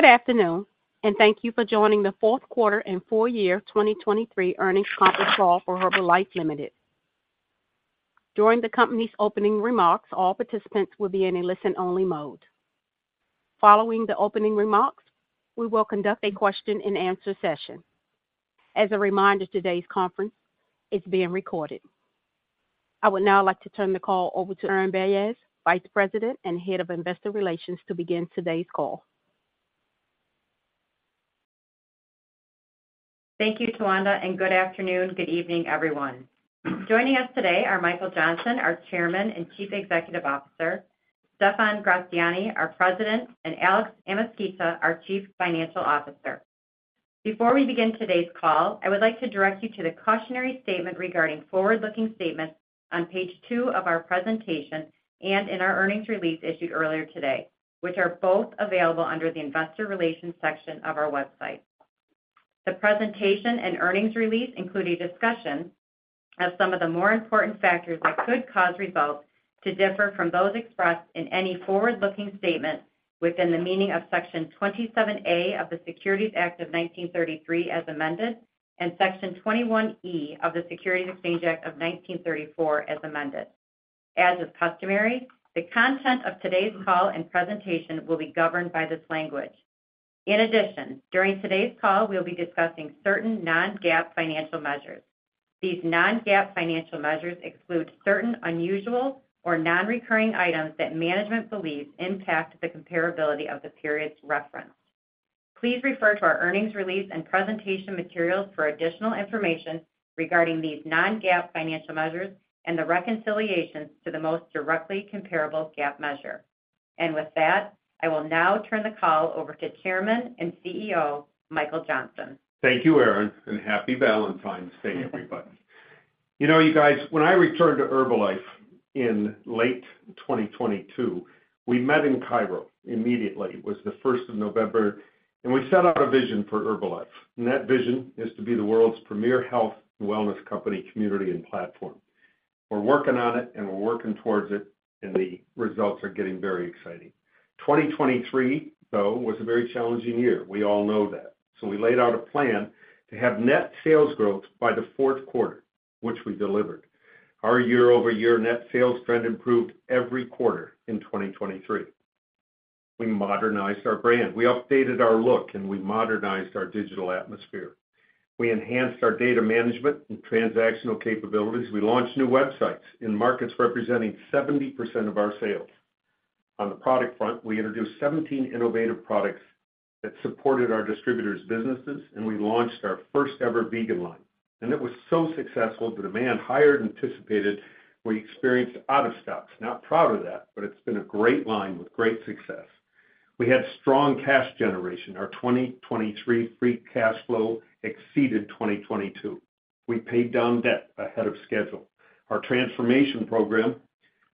Good afternoon, and thank you for joining the fourth quarter and full-year 2023 earnings conference call for Herbalife Ltd. During the company's opening remarks, all participants will be in a listen-only mode. Following the opening remarks, we will conduct a question-and-answer session. As a reminder, today's conference is being recorded. I would now like to turn the call over to Erin Banyas, Vice President and Head of Investor Relations, to begin today's call. Thank you, Towanda, and good afternoon, good evening, everyone. Joining us today are Michael Johnson, our Chairman and Chief Executive Officer, Stephan Gratziani, our President, and Alex Amezquita, our Chief Financial Officer. Before we begin today's call, I would like to direct you to the cautionary statement regarding forward-looking statements on page 2 of our presentation and in our earnings release issued earlier today, which are both available under the Investor Relations section of our website. The presentation and earnings release include a discussion of some of the more important factors that could cause results to differ from those expressed in any forward-looking statement within the meaning of Section 27A of the Securities Act of 1933 as amended and Section 21E of the Securities Exchange Act of 1934 as amended. As is customary, the content of today's call and presentation will be governed by this language. In addition, during today's call, we'll be discussing certain non-GAAP financial measures. These non-GAAP financial measures exclude certain unusual or non-recurring items that management believes impact the comparability of the periods referenced. Please refer to our earnings release and presentation materials for additional information regarding these non-GAAP financial measures and the reconciliations to the most directly comparable GAAP measure. With that, I will now turn the call over to Chairman and CEO Michael Johnson. Thank you, Erin, and happy Valentine's Day, everybody. You know, you guys, when I returned to Herbalife in late 2022, we met in Cairo immediately. It was the 1st of November, and we set out a vision for Herbalife. And that vision is to be the world's premier health and wellness company community and platform. We're working on it, and we're working towards it, and the results are getting very exciting. 2023, though, was a very challenging year. We all know that. So we laid out a plan to have net sales growth by the fourth quarter, which we delivered. Our year-over-year net sales trend improved every quarter in 2023. We modernized our brand. We updated our look, and we modernized our digital atmosphere. We enhanced our data management and transactional capabilities. We launched new websites in markets representing 70% of our sales. On the product front, we introduced 17 innovative products that supported our distributors' businesses, and we launched our first-ever vegan line. And it was so successful, the demand higher than anticipated, we experienced out-of-stocks. Not proud of that, but it's been a great line with great success. We had strong cash generation. Our 2023 free cash flow exceeded 2022. We paid down debt ahead of schedule. Our transformation program,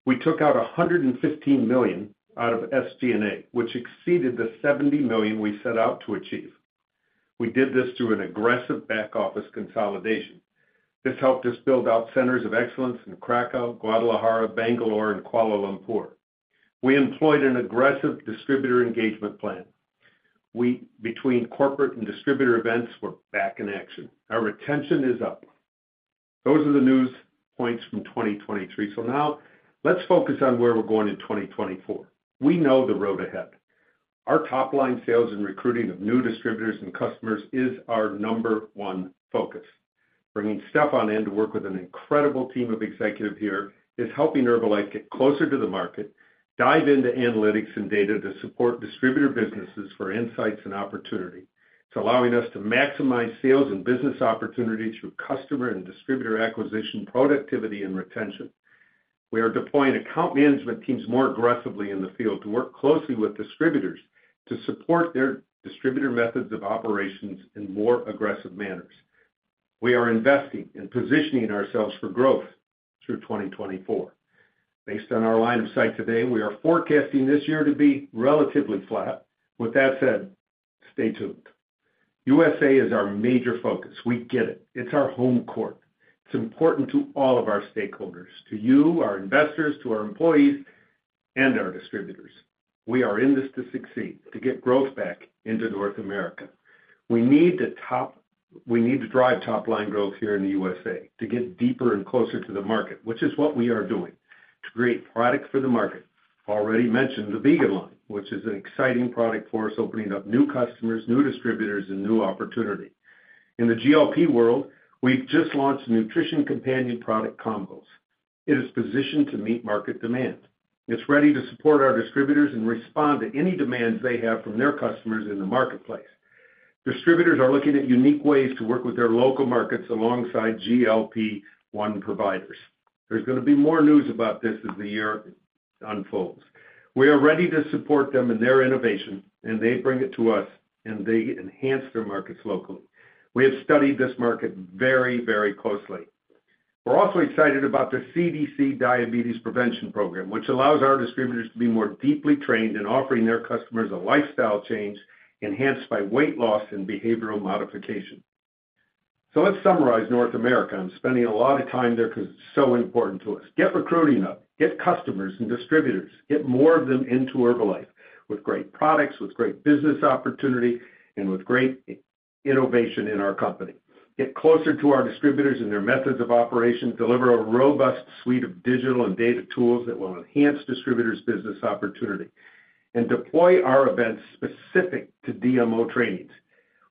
we took out $115 million out of SG&A, which exceeded the $70 million we set out to achieve. We did this through an aggressive back-office consolidation. This helped us build out centers of excellence in Krakow, Guadalajara, Bangalore, and Kuala Lumpur. We employed an aggressive distributor engagement plan. We, between corporate and distributor events, were back in action. Our retention is up. Those are the news points from 2023. So now let's focus on where we're going in 2024. We know the road ahead. Our top-line sales and recruiting of new distributors and customers is our number one focus. Bringing Stephan in to work with an incredible team of executives here is helping Herbalife get closer to the market, dive into analytics and data to support distributor businesses for insights and opportunity. It's allowing us to maximize sales and business opportunities through customer and distributor acquisition, productivity, and retention. We are deploying account management teams more aggressively in the field to work closely with distributors to support their distributor methods of operations in more aggressive manners. We are investing and positioning ourselves for growth through 2024. Based on our line of sight today, we are forecasting this year to be relatively flat. With that said, stay tuned. USA is our major focus. We get it. It's our home court. It's important to all of our stakeholders, to you, our investors, to our employees, and our distributors. We are in this to succeed, to get growth back into North America. We need the top we need to drive top-line growth here in the USA to get deeper and closer to the market, which is what we are doing, to create product for the market. Already mentioned the vegan line, which is an exciting product for us, opening up new customers, new distributors, and new opportunity. In the GLP-1 world, we've just launched nutrition companion product combos. It is positioned to meet market demand. It's ready to support our distributors and respond to any demands they have from their customers in the marketplace. Distributors are looking at unique ways to work with their local markets alongside GLP-1 providers. There's going to be more news about this as the year unfolds. We are ready to support them in their innovation, and they bring it to us, and they enhance their markets locally. We have studied this market very, very closely. We're also excited about the CDC Diabetes Prevention Program, which allows our distributors to be more deeply trained in offering their customers a lifestyle change enhanced by weight loss and behavioral modification. So let's summarize North America. I'm spending a lot of time there because it's so important to us. Get recruiting up. Get customers and distributors. Get more of them into Herbalife with great products, with great business opportunity, and with great innovation in our company. Get closer to our distributors and their methods of operation. Deliver a robust suite of digital and data tools that will enhance distributors' business opportunity. And deploy our events specific to DMO trainings.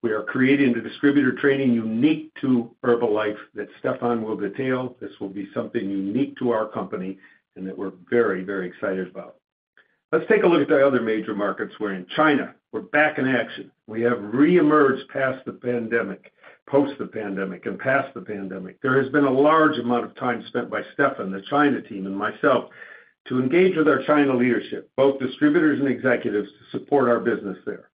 We are creating the distributor training unique to Herbalife that Stephan will detail. This will be something unique to our company and that we're very, very excited about. Let's take a look at the other major markets. We're in China. We're back in action. We have reemerged past the pandemic, post the pandemic, and past the pandemic. There has been a large amount of time spent by Stephan, the China team, and myself to engage with our China leadership, both distributors and executives, to support our business there.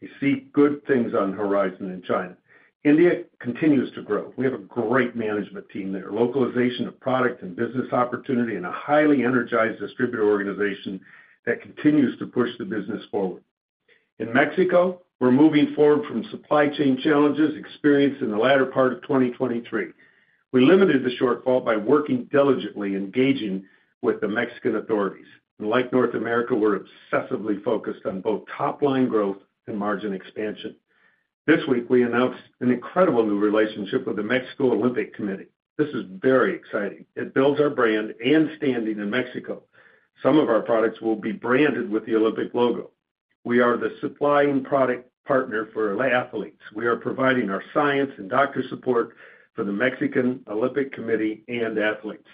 We see good things on the horizon in China. India continues to grow. We have a great management team there, localization of product and business opportunity, and a highly energized distributor organization that continues to push the business forward. In Mexico, we're moving forward from supply chain challenges experienced in the latter part of 2023. We limited the shortfall by working diligently, engaging with the Mexican authorities. And like North America, we're obsessively focused on both top-line growth and margin expansion. This week, we announced an incredible new relationship with the Mexico Olympic Committee. This is very exciting. It builds our brand and standing in Mexico. Some of our products will be branded with the Olympic logo. We are the supplying product partner for athletes. We are providing our science and doctor support for the Mexican Olympic Committee and athletes.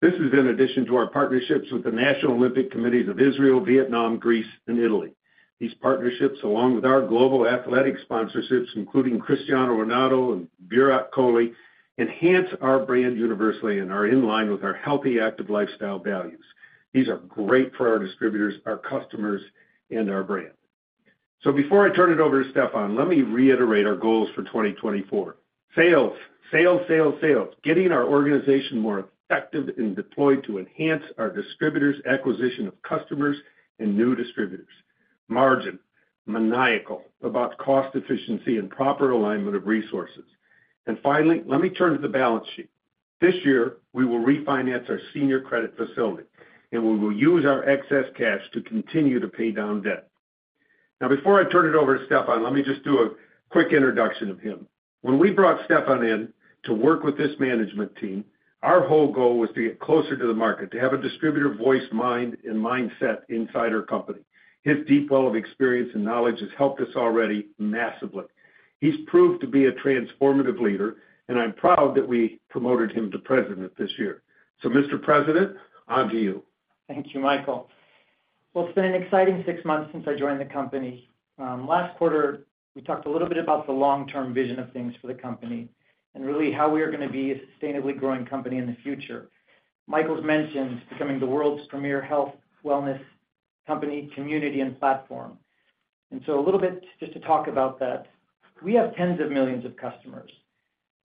This is in addition to our partnerships with the National Olympic Committees of Israel, Vietnam, Greece, and Italy. These partnerships, along with our global athletic sponsorships, including Cristiano Ronaldo and Virat Kohli, enhance our brand universally and are in line with our healthy, active lifestyle values. These are great for our distributors, our customers, and our brand. So before I turn it over to Stephan, let me reiterate our goals for 2024: sales, sales, sales; getting our organization more effective and deployed to enhance our distributors, acquisition of customers, and new distributors; margin, maniacal about cost efficiency and proper alignment of resources. And finally, let me turn to the balance sheet. This year, we will refinance our senior credit facility, and we will use our excess cash to continue to pay down debt. Now, before I turn it over to Stephan, let me just do a quick introduction of him. When we brought Stephan in to work with this management team, our whole goal was to get closer to the market, to have a distributor voice, mind, and mindset inside our company. His deep well of experience and knowledge has helped us already massively. He's proved to be a transformative leader, and I'm proud that we promoted him to President this year. Mr. President, on to you. Thank you, Michael. Well, it's been an exciting six months since I joined the company. Last quarter, we talked a little bit about the long-term vision of things for the company and really how we are going to be a sustainably growing company in the future. Michael's mentioned becoming the world's premier health, wellness company community and platform. And so a little bit just to talk about that. We have tens of millions of customers.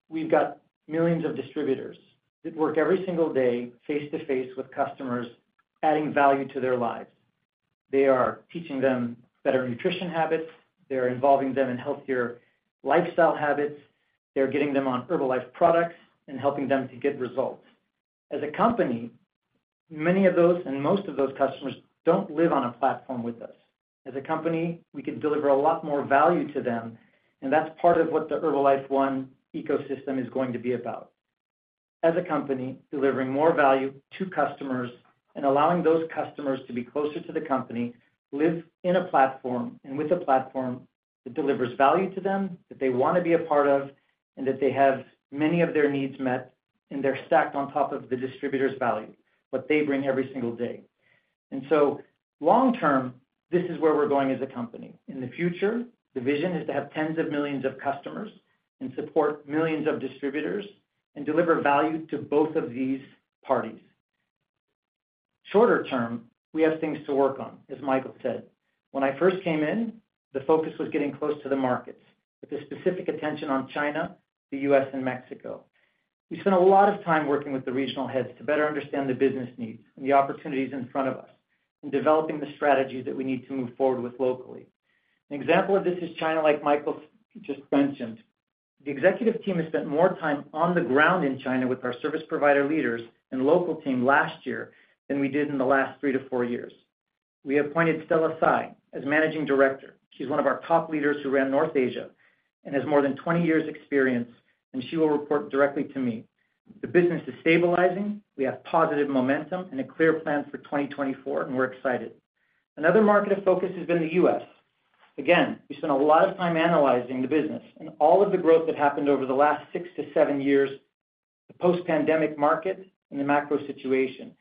We've got millions of distributors that work every single day face-to-face with customers, adding value to their lives. They are teaching them better nutrition habits. They're involving them in healthier lifestyle habits. They're getting them on Herbalife products and helping them to get results. As a company, many of those and most of those customers don't live on a platform with us. As a company, we could deliver a lot more value to them, and that's part of what the Herbalife One ecosystem is going to be about. As a company, delivering more value to customers and allowing those customers to be closer to the company, live in a platform, and with a platform that delivers value to them that they want to be a part of and that they have many of their needs met, and they're stacked on top of the distributor's value, what they bring every single day. And so long-term, this is where we're going as a company. In the future, the vision is to have tens of millions of customers and support millions of distributors and deliver value to both of these parties. Shorter term, we have things to work on, as Michael said. When I first came in, the focus was getting close to the markets with a specific attention on China, the U.S., and Mexico. We spent a lot of time working with the regional heads to better understand the business needs and the opportunities in front of us and developing the strategies that we need to move forward with locally. An example of this is China like Michael just mentioned. The executive team has spent more time on the ground in China with our service provider leaders and local team last year than we did in the last 3-4 years. We appointed Stella Tsai as managing director. She's one of our top leaders who ran North Asia and has more than 20 years' experience, and she will report directly to me. The business is stabilizing. We have positive momentum and a clear plan for 2024, and we're excited. Another market of focus has been the U.S. Again, we spent a lot of time analyzing the business and all of the growth that happened over the last 6-7 years, the post-pandemic market, and the macro situation.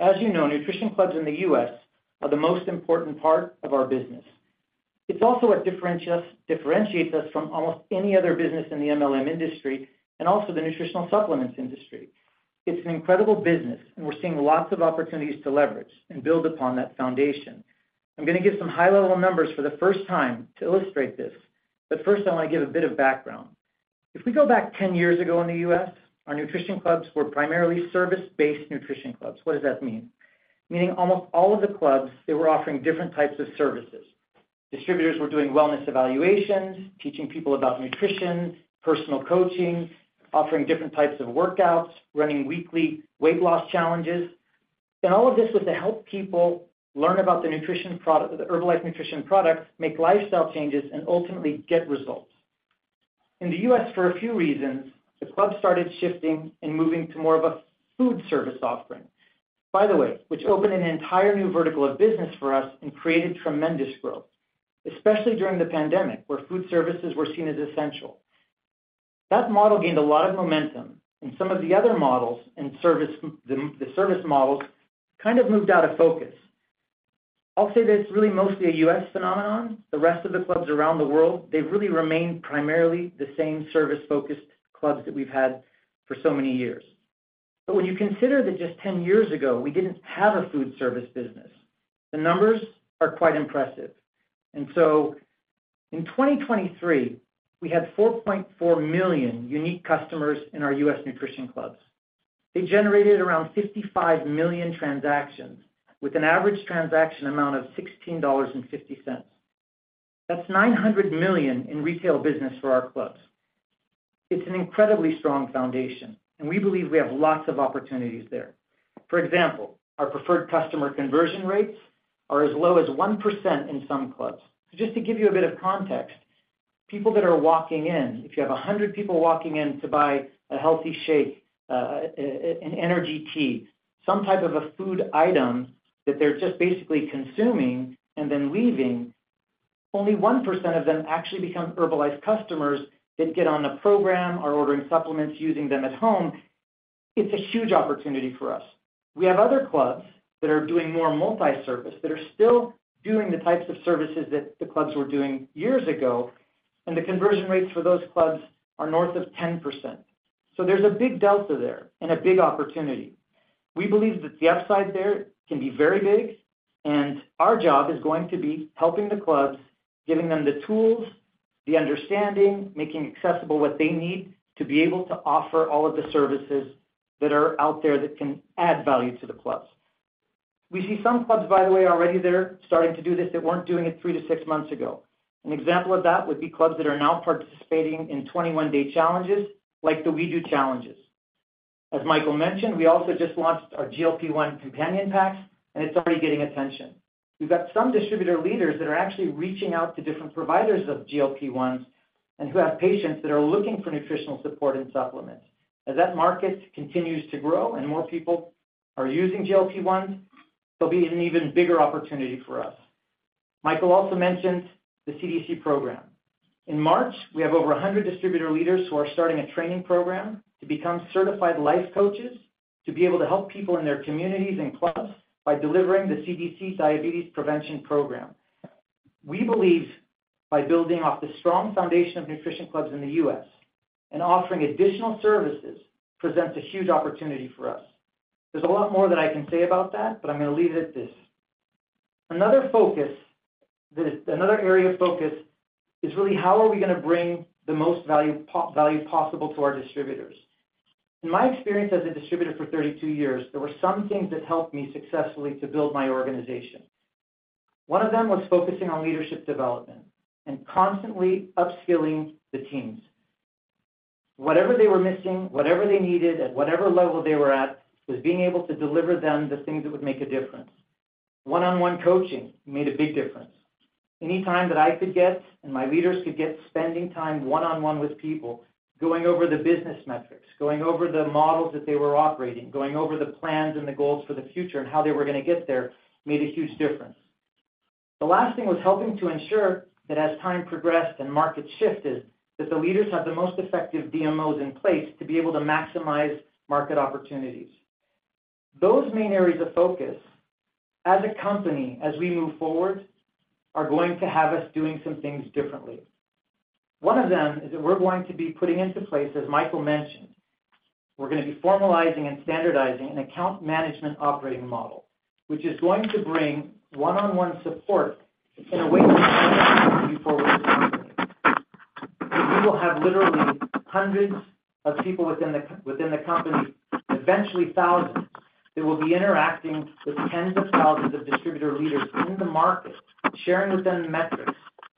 As you know, nutrition clubs in the U.S. are the most important part of our business. It's also what differentiates us from almost any other business in the MLM industry and also the nutritional supplements industry. It's an incredible business, and we're seeing lots of opportunities to leverage and build upon that foundation. I'm going to give some high-level numbers for the first time to illustrate this. But first, I want to give a bit of background. If we go back 10 years ago in the U.S., our nutrition clubs were primarily service-based nutrition clubs. What does that mean? Meaning almost all of the clubs, they were offering different types of services. Distributors were doing wellness evaluations, teaching people about nutrition, personal coaching, offering different types of workouts, running weekly weight loss challenges. All of this was to help people learn about the nutrition product, the Herbalife nutrition products, make lifestyle changes, and ultimately get results. In the U.S., for a few reasons, the club started shifting and moving to more of a food service offering, by the way, which opened an entire new vertical of business for us and created tremendous growth, especially during the pandemic where food services were seen as essential. That model gained a lot of momentum, and some of the other models and service models kind of moved out of focus. I'll say that it's really mostly a US phenomenon. The rest of the clubs around the world, they've really remained primarily the same service-focused clubs that we've had for so many years. But when you consider that just 10 years ago, we didn't have a food service business, the numbers are quite impressive. So in 2023, we had 4.4 million unique customers in our US Nutrition Clubs. They generated around 55 million transactions with an average transaction amount of $16.50. That's $900 million in retail business for our clubs. It's an incredibly strong foundation, and we believe we have lots of opportunities there. For example, our Preferred Customer conversion rates are as low as 1% in some clubs. So just to give you a bit of context, people that are walking in, if you have 100 people walking in to buy a healthy shake, an energy tea, some type of a food item that they're just basically consuming and then leaving, only 1% of them actually become Herbalife customers that get on the program, are ordering supplements, using them at home. It's a huge opportunity for us. We have other clubs that are doing more multi-service that are still doing the types of services that the clubs were doing years ago, and the conversion rates for those clubs are north of 10%. So there's a big delta there and a big opportunity. We believe that the upside there can be very big, and our job is going to be helping the clubs, giving them the tools, the understanding, making accessible what they need to be able to offer all of the services that are out there that can add value to the clubs. We see some clubs, by the way, already there starting to do this that weren't doing it 3-6 months ago. An example of that would be clubs that are now participating in 21-day cs like the We Do Challenges. As Michael mentioned, we also just launched our GLP-1 companion packs, and it's already getting attention. We've got some distributor leaders that are actually reaching out to different providers of GLP-1s and who have patients that are looking for nutritional support and supplements. As that market continues to grow and more people are using GLP-1s, there'll be an even bigger opportunity for us. Michael also mentioned the CDC program. In March, we have over 100 distributor leaders who are starting a training program to become certified life coaches to be able to help people in their communities and clubs by delivering the CDC Diabetes Prevention Program. We believe by building off the strong foundation of nutrition clubs in the U.S. and offering additional services presents a huge opportunity for us. There's a lot more that I can say about that, but I'm going to leave it at this. Another focus that is another area of focus is really how are we going to bring the most value possible to our distributors. In my experience as a distributor for 32 years, there were some things that helped me successfully to build my organization. One of them was focusing on leadership development and constantly upskilling the teams. Whatever they were missing, whatever they needed at whatever level they were at, was being able to deliver them the things that would make a difference. One-on-one coaching made a big difference. Any time that I could get and my leaders could get spending time one-on-one with people going over the business metrics, going over the models that they were operating, going over the plans and the goals for the future and how they were going to get there made a huge difference. The last thing was helping to ensure that as time progressed and markets shifted, that the leaders have the most effective DMOs in place to be able to maximize market opportunities. Those main areas of focus as a company, as we move forward, are going to have us doing some things differently. One of them is that we're going to be putting into place, as Michael mentioned, we're going to be formalizing and standardizing an account management operating model, which is going to bring one-on-one support in a way that's more effective before we're a company. We will have literally hundreds of people within the company, eventually thousands, that will be interacting with tens of thousands of distributor leaders in the market, sharing with them metrics,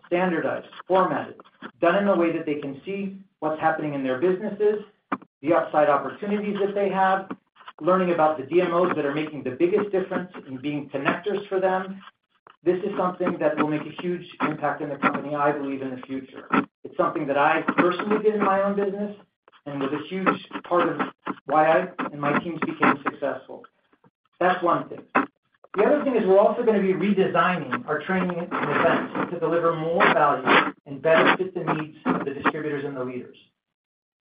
standardized, formatted, done in a way that they can see what's happening in their businesses, the upside opportunities that they have, learning about the DMOs that are making the biggest difference and being connectors for them. This is something that will make a huge impact in the company, I believe, in the future. It's something that I personally did in my own business and was a huge part of why I and my teams became successful. That's one thing. The other thing is we're also going to be redesigning our training and events to deliver more value and better fit the needs of the distributors and the leaders.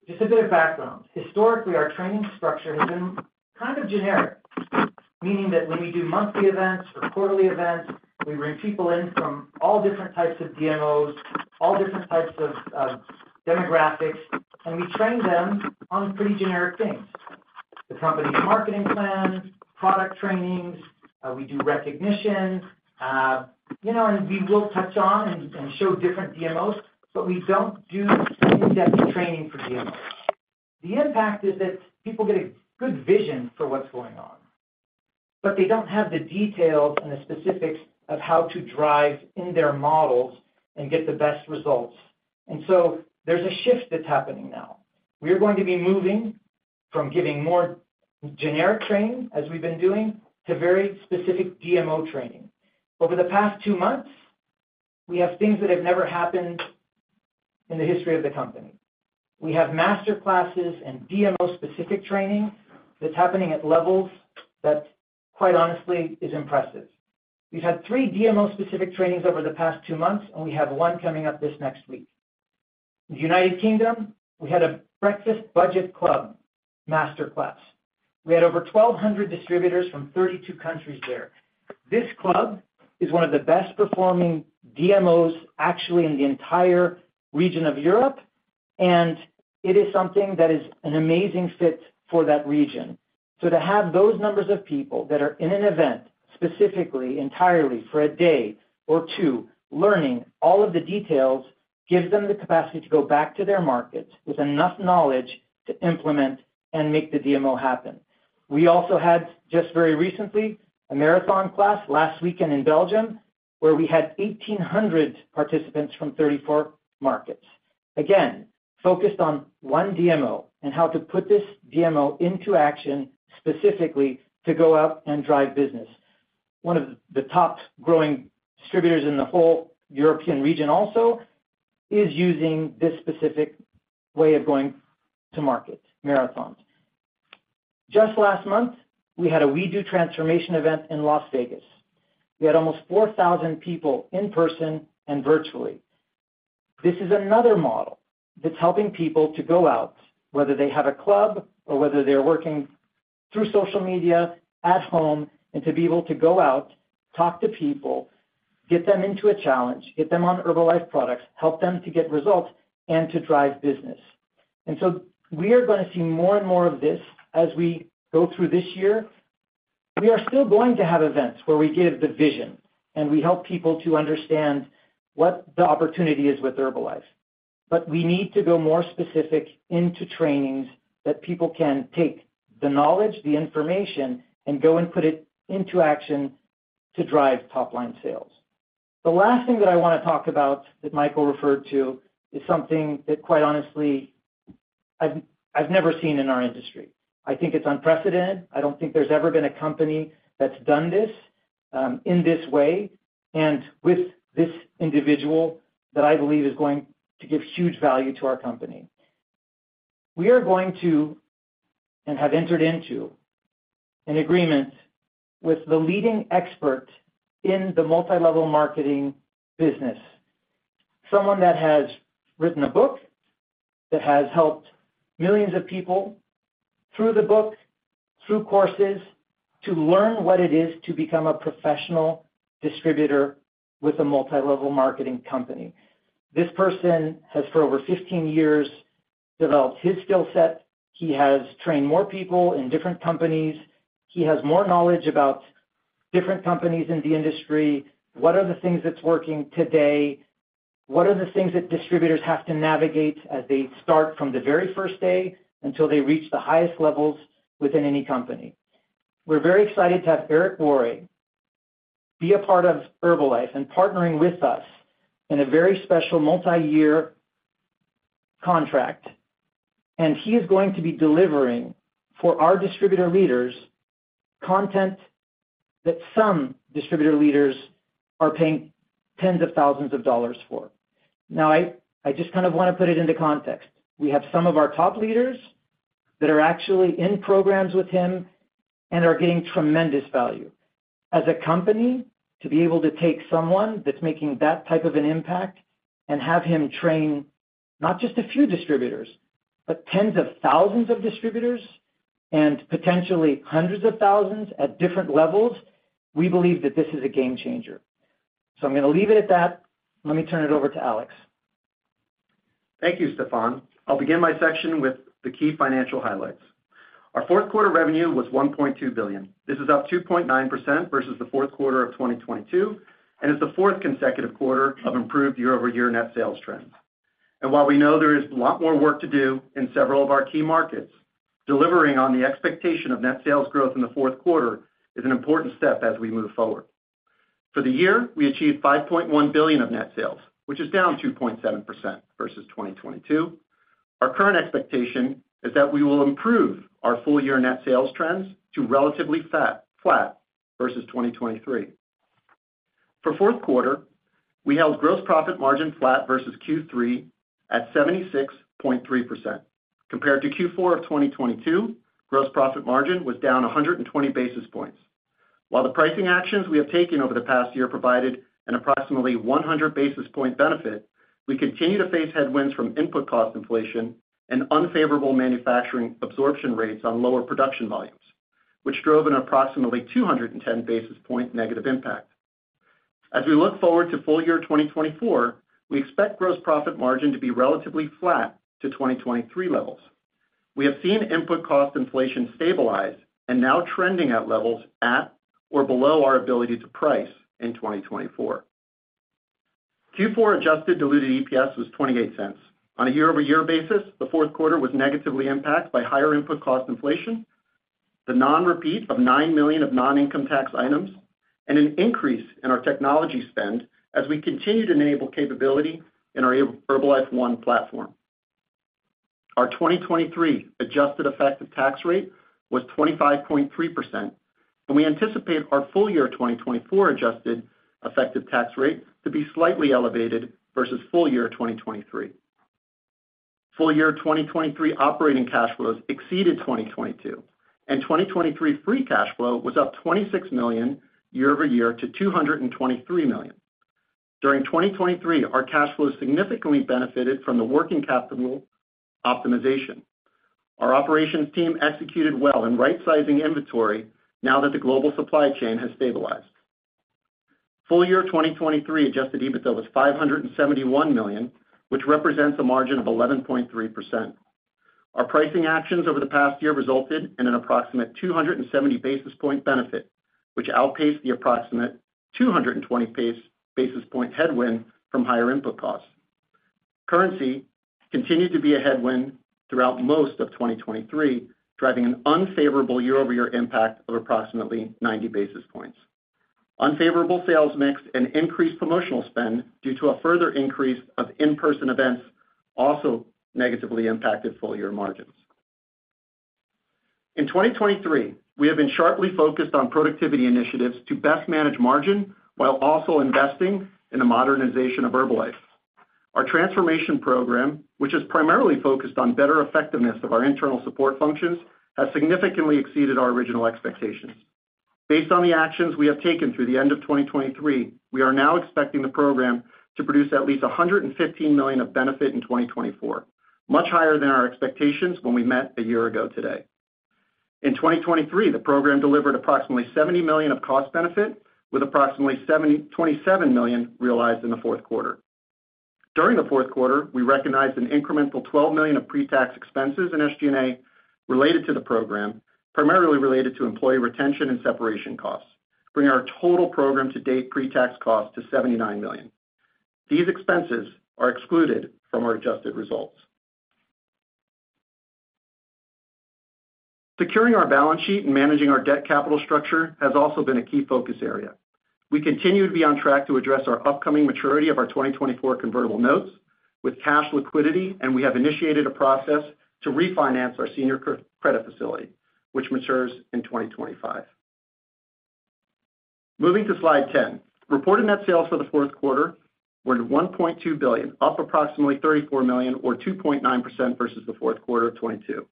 Just a bit of background. Historically, our training structure has been kind of generic, meaning that when we do monthly events or quarterly events, we bring people in from all different types of DMOs, all different types of demographics, and we train them on pretty generic things: the company's marketing plan, product trainings, we do recognition, and we will touch on and show different DMOs, but we don't do in-depth training for DMOs. The impact is that people get a good vision for what's going on, but they don't have the details and the specifics of how to drive in their models and get the best results. And so there's a shift that's happening now. We are going to be moving from giving more generic training as we've been doing to very specific DMO training. Over the past two months, we have things that have never happened in the history of the company. We have master classes and DMO-specific training that's happening at levels that, quite honestly, is impressive. We've had three DMO-specific trainings over the past two months, and we have one coming up this next week. In the United Kingdom, we had a Breakfast Budget Club master class. We had over 1,200 distributors from 32 countries there. This club is one of the best-performing DMOs actually in the entire region of Europe, and it is something that is an amazing fit for that region. So to have those numbers of people that are in an event specifically, entirely for a day or two learning all of the details gives them the capacity to go back to their markets with enough knowledge to implement and make the DMO happen. We also had, just very recently, a marathon class last weekend in Belgium where we had 1,800 participants from 34 markets, again, focused on one DMO and how to put this DMO into action specifically to go out and drive business. One of the top-growing distributors in the whole European region also is using this specific way of going to market, marathons. Just last month, we had a We Do transformation event in Las Vegas. We had almost 4,000 people in person and virtually. This is another model that's helping people to go out, whether they have a club or whether they're working through social media at home, and to be able to go out, talk to people, get them into a challenge, get them on Herbalife products, help them to get results, and to drive business. And so we are going to see more and more of this as we go through this year. We are still going to have events where we give the vision, and we help people to understand what the opportunity is with Herbalife. But we need to go more specific into trainings that people can take the knowledge, the information, and go and put it into action to drive top-line sales. The last thing that I want to talk about that Michael referred to is something that, quite honestly, I've never seen in our industry. I think it's unprecedented. I don't think there's ever been a company that's done this in this way and with this individual that I believe is going to give huge value to our company. We are going to and have entered into an agreement with the leading expert in the multi-level marketing business, someone that has written a book that has helped millions of people through the book, through courses, to learn what it is to become a professional distributor with a multi-level marketing company. This person has, for over 15 years, developed his skill set. He has trained more people in different companies. He has more knowledge about different companies in the industry. What are the things that's working today? What are the things that distributors have to navigate as they start from the very first day until they reach the highest levels within any company? We're very excited to have Eric Worre be a part of Herbalife and partnering with us in a very special multi-year contract. And he is going to be delivering for our distributor leaders content that some distributor leaders are paying tens of thousands of dollars for. Now, I just kind of want to put it into context. We have some of our top leaders that are actually in programs with him and are getting tremendous value. As a company, to be able to take someone that's making that type of an impact and have him train not just a few distributors but tens of thousands of distributors and potentially hundreds of thousands at different levels, we believe that this is a game-changer. So I'm going to leave it at that. Let me turn it over to Alex. Thank you, Stephan. I'll begin my section with the key financial highlights. Our fourth quarter revenue was $1.2 billion. This is up 2.9% versus the fourth quarter of 2022 and is the fourth consecutive quarter of improved year-over-year net sales trends. While we know there is a lot more work to do in several of our key markets, delivering on the expectation of net sales growth in the fourth quarter is an important step as we move forward. For the year, we achieved $5.1 billion of net sales, which is down 2.7% versus 2022. Our current expectation is that we will improve our full-year net sales trends to relatively flat versus 2023. For fourth quarter, we held gross profit margin flat versus Q3 at 76.3%. Compared to Q4 of 2022, gross profit margin was down 120 basis points. While the pricing actions we have taken over the past year provided an approximately 100 basis point benefit, we continue to face headwinds from input cost inflation and unfavorable manufacturing absorption rates on lower production volumes, which drove an approximately 210 basis point negative impact. As we look forward to full-year 2024, we expect gross profit margin to be relatively flat to 2023 levels. We have seen input cost inflation stabilize and now trending at levels at or below our ability to price in 2024. Q4 adjusted diluted EPS was $0.28. On a year-over-year basis, the fourth quarter was negatively impacted by higher input cost inflation, the non-repeat of $9 million of non-income tax items, and an increase in our technology spend as we continue to enable capability in our Herbalife One platform. Our 2023 adjusted effective tax rate was 25.3%, and we anticipate our full-year 2024 adjusted effective tax rate to be slightly elevated versus full-year 2023. Full-year 2023 operating cash flows exceeded 2022, and 2023 free cash flow was up $26 million year-over-year to $223 million. During 2023, our cash flows significantly benefited from the working capital optimization. Our operations team executed well in right-sizing inventory now that the global supply chain has stabilized. Full-year 2023 Adjusted EBITDA was $571 million, which represents a margin of 11.3%. Our pricing actions over the past year resulted in an approximate 270 basis point benefit, which outpaced the approximate 220 basis point headwind from higher input costs. Currency continued to be a headwind throughout most of 2023, driving an unfavorable year-over-year impact of approximately 90 basis points. Unfavorable sales mix and increased promotional spend due to a further increase of in-person events also negatively impacted full-year margins. In 2023, we have been sharply focused on productivity initiatives to best manage margin while also investing in the modernization of Herbalife. Our transformation program, which is primarily focused on better effectiveness of our internal support functions, has significantly exceeded our original expectations. Based on the actions we have taken through the end of 2023, we are now expecting the program to produce at least $115 million of benefit in 2024, much higher than our expectations when we met a year ago today. In 2023, the program delivered approximately $70 million of cost benefit, with approximately $27 million realized in the fourth quarter. During the fourth quarter, we recognized an incremental $12 million of pre-tax expenses in SG&A related to the program, primarily related to employee retention and separation costs, bringing our total program-to-date pre-tax cost to $79 million. These expenses are excluded from our adjusted results. Securing our balance sheet and managing our debt capital structure has also been a key focus area. We continue to be on track to address our upcoming maturity of our 2024 convertible notes with cash liquidity, and we have initiated a process to refinance our senior credit facility, which matures in 2025. Moving to Slide 10, reported net sales for the fourth quarter were $1.2 billion, up approximately $34 million or 2.9% versus the fourth quarter of 2022.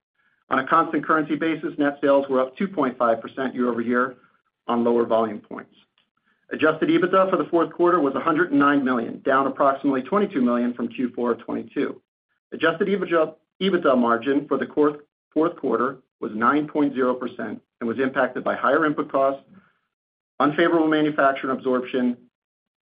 On a constant currency basis, net sales were up 2.5% year-over-year on lower Volume Points. Adjusted EBITDA for the fourth quarter was $109 million, down approximately $22 million from Q4 of 2022. Adjusted EBITDA margin for the fourth quarter was 9.0% and was impacted by higher input costs, unfavorable manufacturing absorption,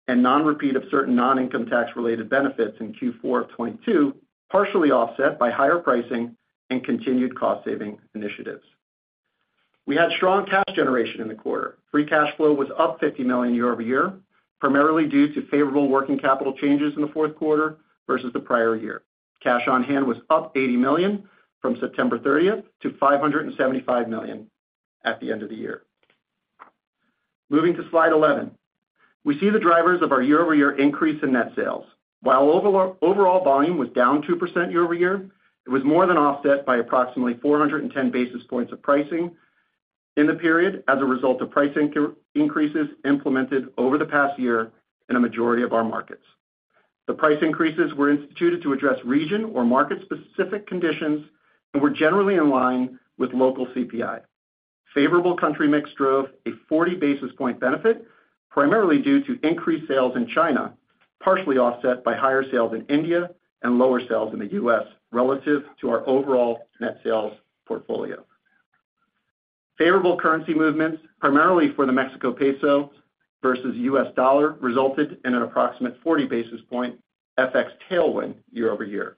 and non-repeat of certain non-income tax-related benefits in Q4 of 2022, partially offset by higher pricing and continued cost-saving initiatives. We had strong cash generation in the quarter. Free cash flow was up $50 million year-over-year, primarily due to favorable working capital changes in the fourth quarter versus the prior year. Cash on hand was up $80 million from September 30 to $575 million at the end of the year. Moving to Slide 11, we see the drivers of our year-over-year increase in net sales. While overall volume was down 2% year-over-year, it was more than offset by approximately 410 basis points of pricing in the period as a result of price increases implemented over the past year in a majority of our markets. The price increases were instituted to address region or market-specific conditions and were generally in line with local CPI. Favorable country mix drove a 40 basis point benefit, primarily due to increased sales in China, partially offset by higher sales in India and lower sales in the U.S. relative to our overall net sales portfolio. Favorable currency movements, primarily for the Mexican peso versus US dollar, resulted in an approximate 40 basis point FX tailwind year-over-year.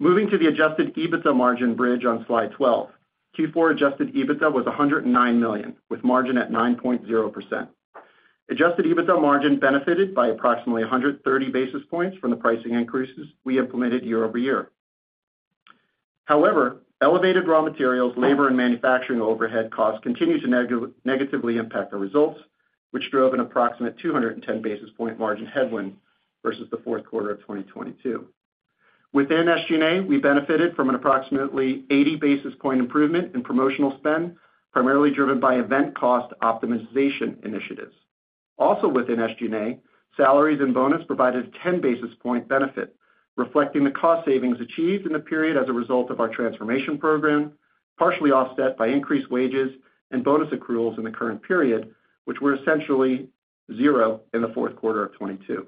Moving to the Adjusted EBITDA margin bridge on slide 12, Q4 Adjusted EBITDA was $109 million, with margin at 9.0%. Adjusted EBITDA margin benefited by approximately 130 basis points from the pricing increases we implemented year-over-year. However, elevated raw materials, labor, and manufacturing overhead costs continued to negatively impact our results, which drove an approximate 210 basis point margin headwind versus the fourth quarter of 2022. Within SG&A, we benefited from an approximately 80 basis point improvement in promotional spend, primarily driven by event cost optimization initiatives. Also within SG&A, salaries and bonus provided a 10 basis point benefit, reflecting the cost savings achieved in the period as a result of our transformation program, partially offset by increased wages and bonus accruals in the current period, which were essentially zero in the fourth quarter of 2022.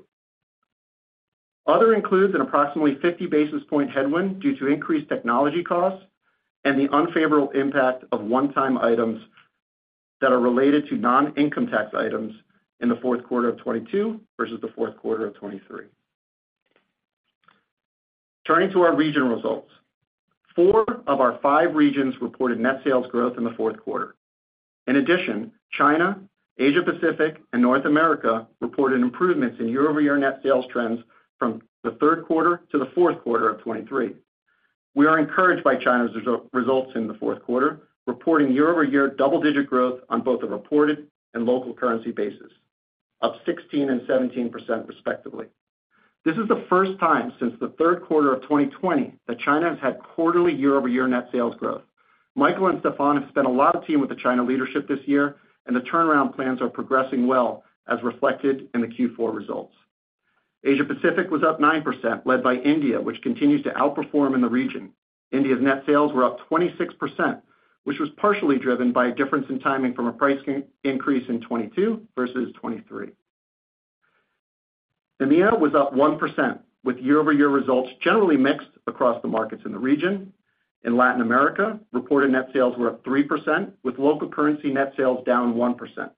Other includes an approximately 50 basis point headwind due to increased technology costs and the unfavorable impact of one-time items that are related to non-income tax items in the fourth quarter of 2022 versus the fourth quarter of 2023. Turning to our region results, four of our five regions reported net sales growth in the fourth quarter. In addition, China, Asia-Pacific, and North America reported improvements in year-over-year net sales trends from the third quarter to the fourth quarter of 2023. We are encouraged by China's results in the fourth quarter, reporting year-over-year double-digit growth on both a reported and local currency basis, up 16% and 17%, respectively. This is the first time since the third quarter of 2020 that China has had quarterly year-over-year net sales growth. Michael and Stephan have spent a lot of time with the China leadership this year, and the turnaround plans are progressing well, as reflected in the Q4 results. Asia-Pacific was up 9%, led by India, which continues to outperform in the region. India's net sales were up 26%, which was partially driven by a difference in timing from a price increase in 2022 versus 2023. EMEA was up 1%, with year-over-year results generally mixed across the markets in the region. In Latin America, reported net sales were up 3%, with local currency net sales down 1%.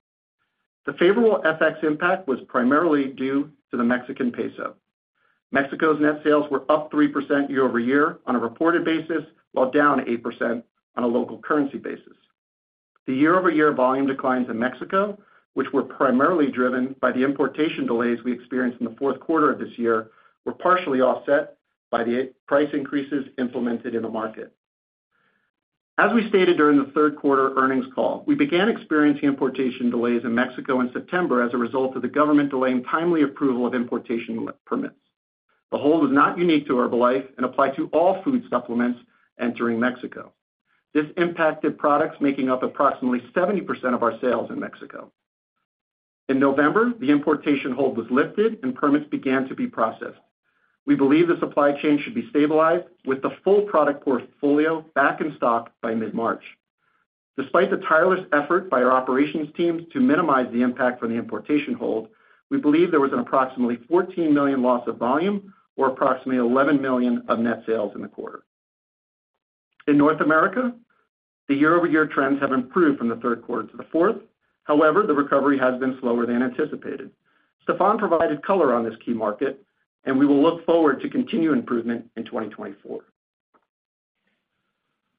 The favorable FX impact was primarily due to the Mexican peso. Mexico's net sales were up 3% year-over-year on a reported basis while down 8% on a local currency basis. The year-over-year volume declines in Mexico, which were primarily driven by the importation delays we experienced in the fourth quarter of this year, were partially offset by the price increases implemented in the market. As we stated during the third quarter earnings call, we began experiencing importation delays in Mexico in September as a result of the government delaying timely approval of importation permits. The hold was not unique to Herbalife and applied to all food supplements entering Mexico. This impacted products making up approximately 70% of our sales in Mexico. In November, the importation hold was lifted, and permits began to be processed. We believe the supply chain should be stabilized, with the full product portfolio back in stock by mid-March. Despite the tireless effort by our operations teams to minimize the impact from the importation hold, we believe there was an approximately 14 million loss of volume or approximately $11 million of net sales in the quarter. In North America, the year-over-year trends have improved from the third quarter to the fourth. However, the recovery has been slower than anticipated. Stephan provided color on this key market, and we will look forward to continued improvement in 2024.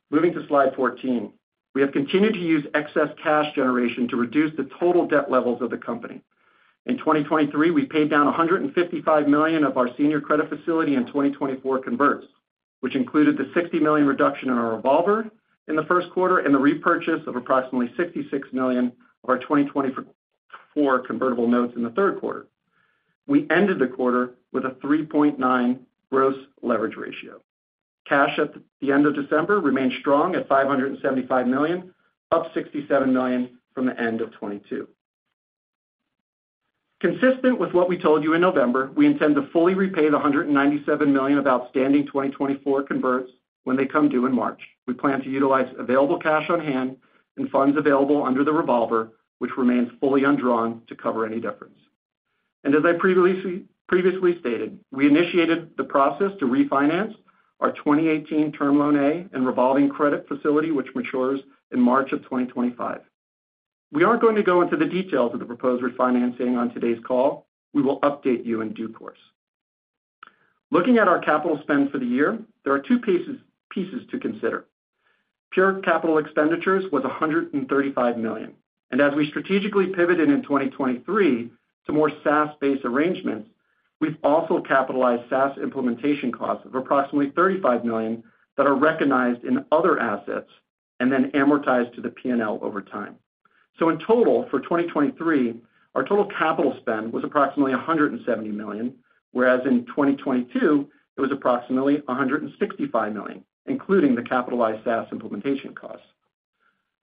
Moving to Slide 14, we have continued to use excess cash generation to reduce the total debt levels of the company. In 2023, we paid down $155 million of our senior credit facility in 2024 converts, which included the $60 million reduction in our revolver in the first quarter and the repurchase of approximately $66 million of our 2024 convertible notes in the third quarter. We ended the quarter with a 3.9 gross leverage ratio. Cash at the end of December remained strong at $575 million, up $67 million from the end of 2022. Consistent with what we told you in November, we intend to fully repay the $197 million of outstanding 2024 converts when they come due in March. We plan to utilize available cash on hand and funds available under the revolver, which remains fully undrawn to cover any difference. And as I previously stated, we initiated the process to refinance our 2018 Term Loan A and revolving credit facility, which matures in March of 2025. We aren't going to go into the details of the proposed refinancing on today's call. We will update you in due course. Looking at our capital spend for the year, there are two pieces to consider. Pure capital expenditures was $135 million, and as we strategically pivoted in 2023 to more SaaS-based arrangements, we've also capitalized SaaS implementation costs of approximately $35 million that are recognized in other assets and then amortized to the P&L over time. So in total, for 2023, our total capital spend was approximately $170 million, whereas in 2022, it was approximately $165 million, including the capitalized SaaS implementation costs.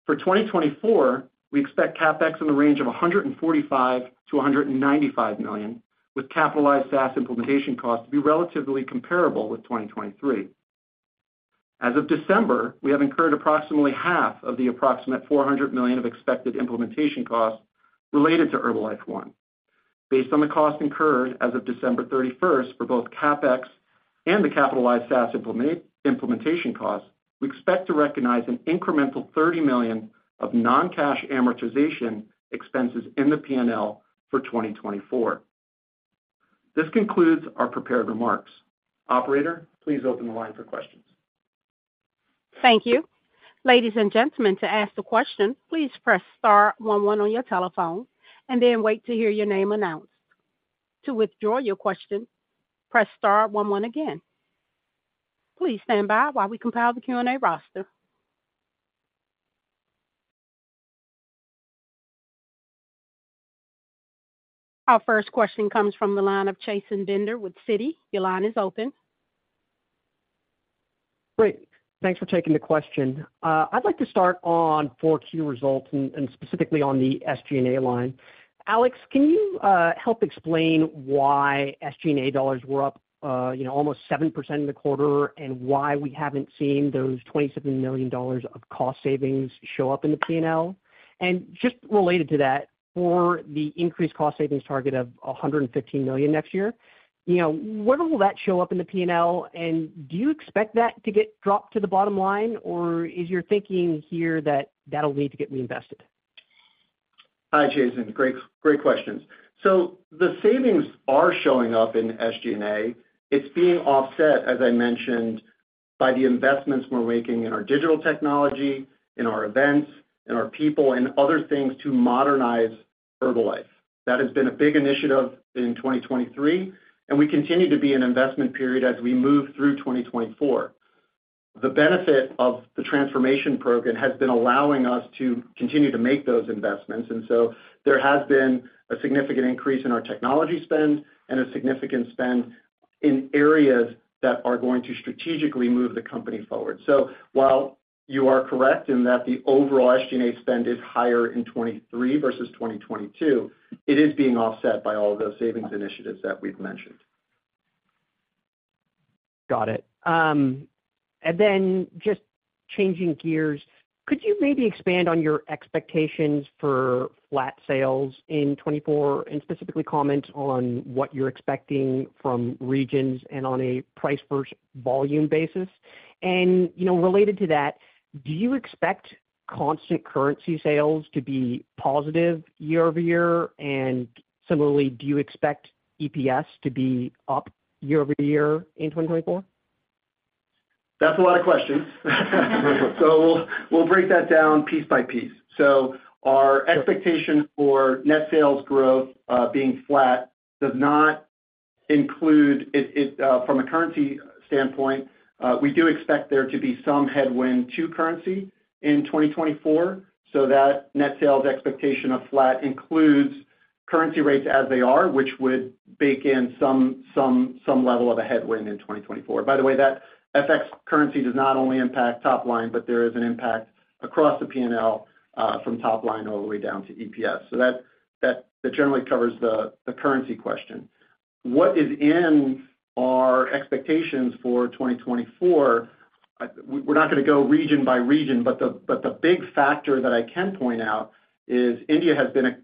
For 2024, we expect capex in the range of $145 million-$195 million, with capitalized SaaS implementation costs to be relatively comparable with 2023. As of December, we have incurred approximately half of the approximate $400 million of expected implementation costs related to Herbalife One. Based on the cost incurred as of December 31 for both capex and the capitalized SaaS implementation costs, we expect to recognize an incremental $30 million of non-cash amortization expenses in the P&L for 2024. This concludes our prepared remarks. Operator, please open the line for questions. Thank you. Ladies and gentlemen, to ask a question, please press star 11 on your telephone and then wait to hear your name announced. To withdraw your question, press star 11 again. Please stand by while we compile the Q&A roster. Our first question comes from the line of Chasen Bender with Citi. Your line is open. Great. Thanks for taking the question. I'd like to start on 4 key results and specifically on the SG&A line. Alex, can you help explain why SG&A dollars were up almost 7% in the quarter and why we haven't seen those $27 million of cost savings show up in the P&L? And just related to that, for the increased cost savings target of $115 million next year, when will that show up in the P&L? And do you expect that to get dropped to the bottom line, or is your thinking here that that'll need to get reinvested? Hi, Chasen. Great questions. So the savings are showing up in SG&A. It's being offset, as I mentioned, by the investments we're making in our digital technology, in our events, in our people, and other things to modernize Herbalife. That has been a big initiative in 2023, and we continue to be in an investment period as we move through 2024. The benefit of the transformation program has been allowing us to continue to make those investments. And so there has been a significant increase in our technology spend and a significant spend in areas that are going to strategically move the company forward. So while you are correct in that the overall SG&A spend is higher in 2023 versus 2022, it is being offset by all of those savings initiatives that we've mentioned. Got it. And then just changing gears, could you maybe expand on your expectations for flat sales in 2024 and specifically comment on what you're expecting from regions and on a price-versus-volume basis? And related to that, do you expect constant currency sales to be positive year-over-year? And similarly, do you expect EPS to be up year-over-year in 2024? That's a lot of questions. So we'll break that down piece by piece. So our expectation for net sales growth being flat does not include from a currency standpoint, we do expect there to be some headwind to currency in 2024. So that net sales expectation of flat includes currency rates as they are, which would bake in some level of a headwind in 2024. By the way, that FX currency does not only impact top line, but there is an impact across the P&L from top line all the way down to EPS. So that generally covers the currency question. What is in our expectations for 2024? We're not going to go region by region, but the big factor that I can point out is India has been a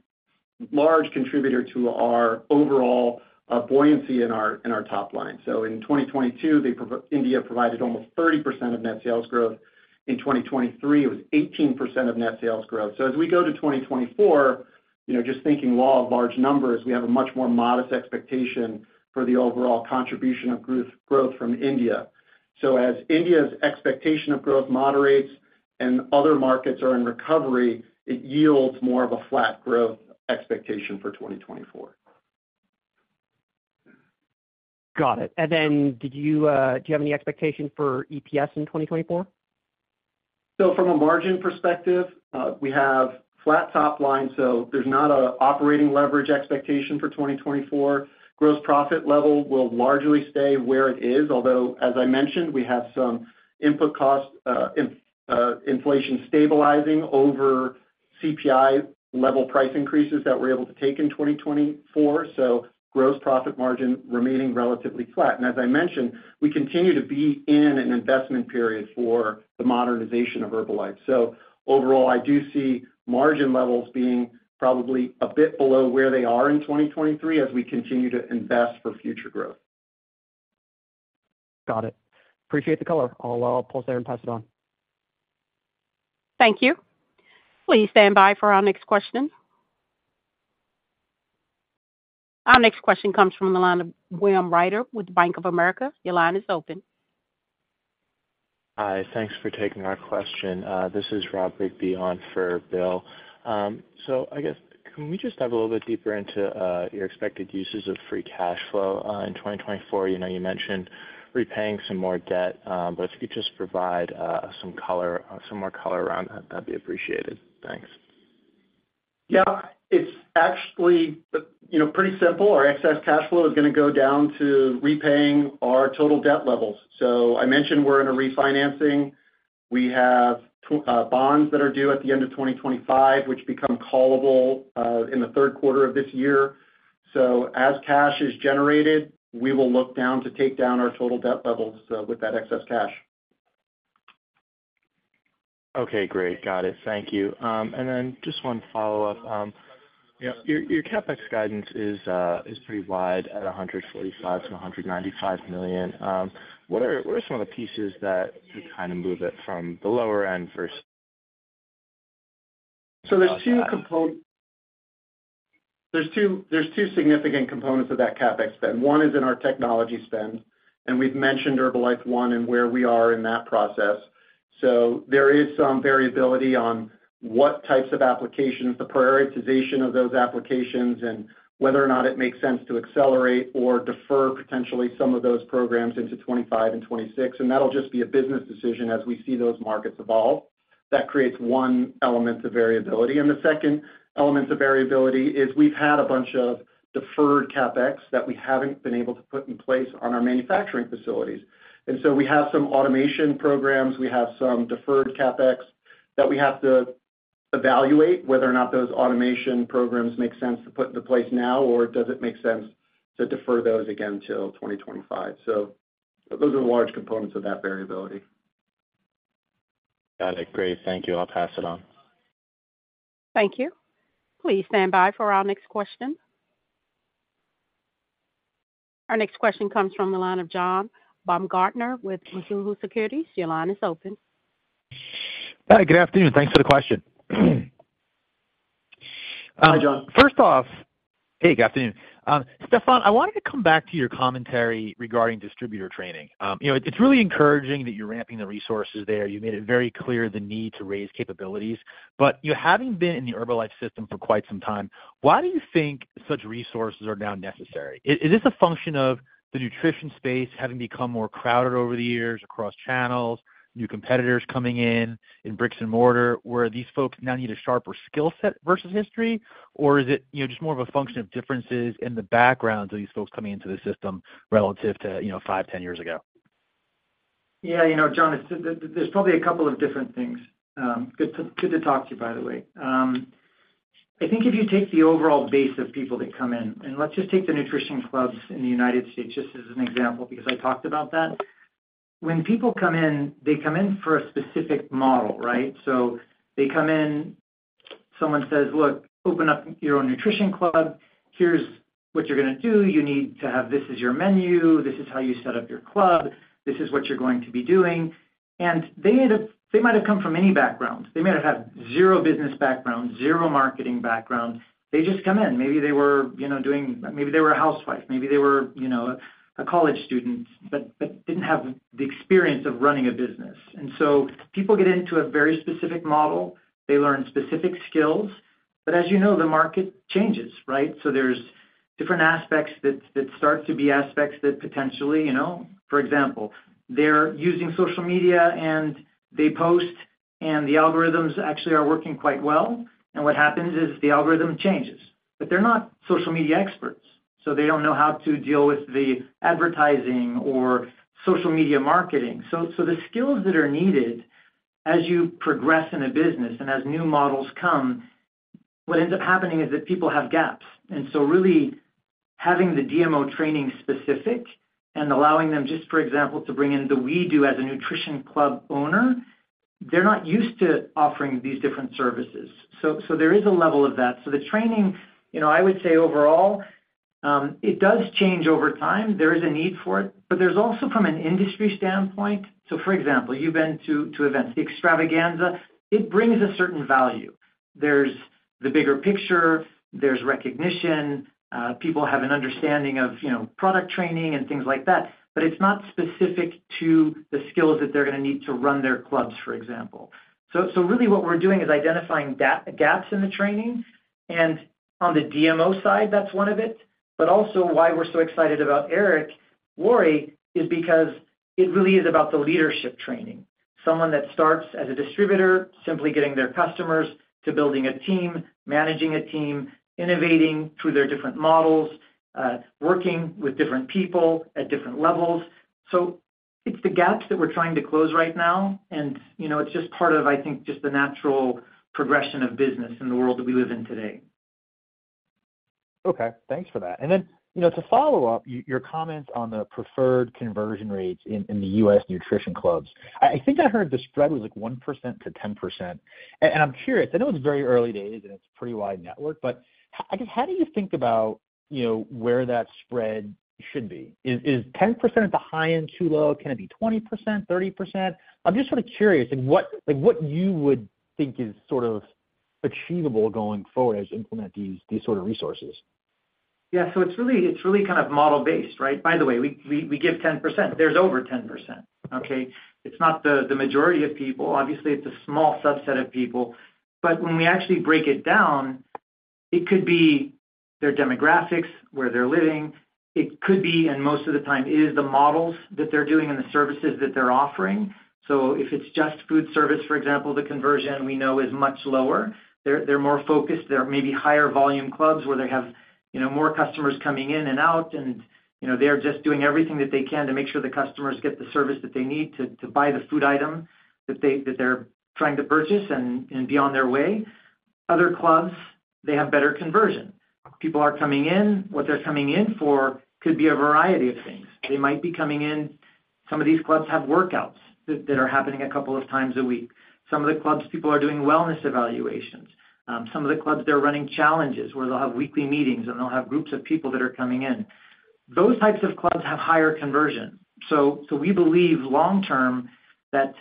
large contributor to our overall buoyancy in our top line. In 2022, India provided almost 30% of net sales growth. In 2023, it was 18% of net sales growth. As we go to 2024, just thinking law of large numbers, we have a much more modest expectation for the overall contribution of growth from India. As India's expectation of growth moderates and other markets are in recovery, it yields more of a flat growth expectation for 2024. Got it. And then do you have any expectation for EPS in 2024? So from a margin perspective, we have flat top line, so there's not an operating leverage expectation for 2024. Gross profit level will largely stay where it is, although, as I mentioned, we have some input cost inflation stabilizing over CPI-level price increases that we're able to take in 2024. So gross profit margin remaining relatively flat. And as I mentioned, we continue to be in an investment period for the modernization of Herbalife. So overall, I do see margin levels being probably a bit below where they are in 2023 as we continue to invest for future growth. Got it. Appreciate the color. I'll pause there and pass it on. Thank you. Please stand by for our next question. Our next question comes from the line of William Ryder with Bank of America. Your line is open. Hi. Thanks for taking our question. This is Rob Rigby on for Bill. I guess, can we just dive a little bit deeper into your expected uses of free cash flow in 2024? You mentioned repaying some more debt, but if you could just provide some more color around that, that'd be appreciated. Thanks. Yeah. It's actually pretty simple. Our excess cash flow is going to go down to repaying our total debt levels. So I mentioned we're in a refinancing. We have bonds that are due at the end of 2025, which become callable in the third quarter of this year. So as cash is generated, we will look down to take down our total debt levels with that excess cash. Okay. Great. Got it. Thank you. And then just one follow-up. Your CapEx guidance is pretty wide at $145 million-$195 million. What are some of the pieces that kind of move it from the lower end versus higher end? So there's two components. There's two significant components of that CapEx spend. One is in our technology spend, and we've mentioned Herbalife One and where we are in that process. So there is some variability on what types of applications, the prioritization of those applications, and whether or not it makes sense to accelerate or defer potentially some of those programs into 2025 and 2026. And that'll just be a business decision as we see those markets evolve. That creates one element of variability. And the second element of variability is we've had a bunch of deferred CapEx that we haven't been able to put in place on our manufacturing facilities. And so we have some automation programs. We have some deferred CapEx that we have to evaluate whether or not those automation programs make sense to put into place now, or does it make sense to defer those again till 2025? Those are the large components of that variability. Got it. Great. Thank you. I'll pass it on. Thank you. Please stand by for our next question. Our next question comes from the line of John Baumgartner with Mizuho Securities. Your line is open. Good afternoon. Thanks for the question. Hi, John. First off, hey, good afternoon. Stephan, I wanted to come back to your commentary regarding distributor training. It's really encouraging that you're ramping the resources there. You made it very clear the need to raise capabilities. But having been in the Herbalife system for quite some time, why do you think such resources are now necessary? Is this a function of the nutrition space having become more crowded over the years across channels, new competitors coming in in bricks and mortar, where these folks now need a sharper skill set versus history? Or is it just more of a function of differences in the backgrounds of these folks coming into the system relative to 5, 10 years ago? Yeah, John, there's probably a couple of different things. Good to talk to you, by the way. I think if you take the overall base of people that come in, and let's just take the nutrition clubs in the United States just as an example because I talked about that. When people come in, they come in for a specific model, right? So they come in, someone says, "Look, open up your own nutrition club. Here's what you're going to do. You need to have this as your menu. This is how you set up your club. This is what you're going to be doing." And they might have come from any background. They may have had zero business background, zero marketing background. They just come in. Maybe they were doing maybe they were a housewife. Maybe they were a college student but didn't have the experience of running a business. And so people get into a very specific model. They learn specific skills. But as you know, the market changes, right? So there's different aspects that start to be aspects that potentially for example, they're using social media and they post, and the algorithms actually are working quite well. And what happens is the algorithm changes. But they're not social media experts, so they don't know how to deal with the advertising or social media marketing. So the skills that are needed as you progress in a business and as new models come, what ends up happening is that people have gaps. And so really having the DMO training specific and allowing them just, for example, to bring in the We Do as a Nutrition Club owner, they're not used to offering these different services. So there is a level of that. So the training, I would say overall, it does change over time. There is a need for it. But there's also from an industry standpoint so for example, you've been to events. The Extravaganza, it brings a certain value. There's the bigger picture. There's recognition. People have an understanding of product training and things like that. But it's not specific to the skills that they're going to need to run their clubs, for example. So really what we're doing is identifying gaps in the training. And on the DMO side, that's one of it. But also why we're so excited about Eric Worre is because it really is about the leadership training, someone that starts as a distributor, simply getting their customers to building a team, managing a team, innovating through their different models, working with different people at different levels. It's the gaps that we're trying to close right now. It's just part of, I think, just the natural progression of business in the world that we live in today. Okay. Thanks for that. And then to follow up, your comments on the preferred conversion rates in the US Nutrition Clubs. I think I heard the spread was 1%-10%. And I'm curious. I know it's very early days and it's a pretty wide network, but I guess how do you think about where that spread should be? Is 10% at the high end too low? Can it be 20%, 30%? I'm just sort of curious what you would think is sort of achievable going forward as you implement these sort of resources. Yeah. So it's really kind of model-based, right? By the way, we give 10%. There's over 10%, okay? It's not the majority of people. Obviously, it's a small subset of people. But when we actually break it down, it could be their demographics, where they're living. It could be, and most of the time is, the models that they're doing and the services that they're offering. So if it's just food service, for example, the conversion, we know is much lower. They're more focused. They're maybe higher-volume clubs where they have more customers coming in and out, and they're just doing everything that they can to make sure the customers get the service that they need to buy the food item that they're trying to purchase and be on their way. Other clubs, they have better conversion. People are coming in. What they're coming in for could be a variety of things. They might be coming in. Some of these clubs have workouts that are happening a couple of times a week. Some of the clubs, people are doing wellness evaluations. Some of the clubs, they're running challenges where they'll have weekly meetings, and they'll have groups of people that are coming in. Those types of clubs have higher conversion. So we believe long-term that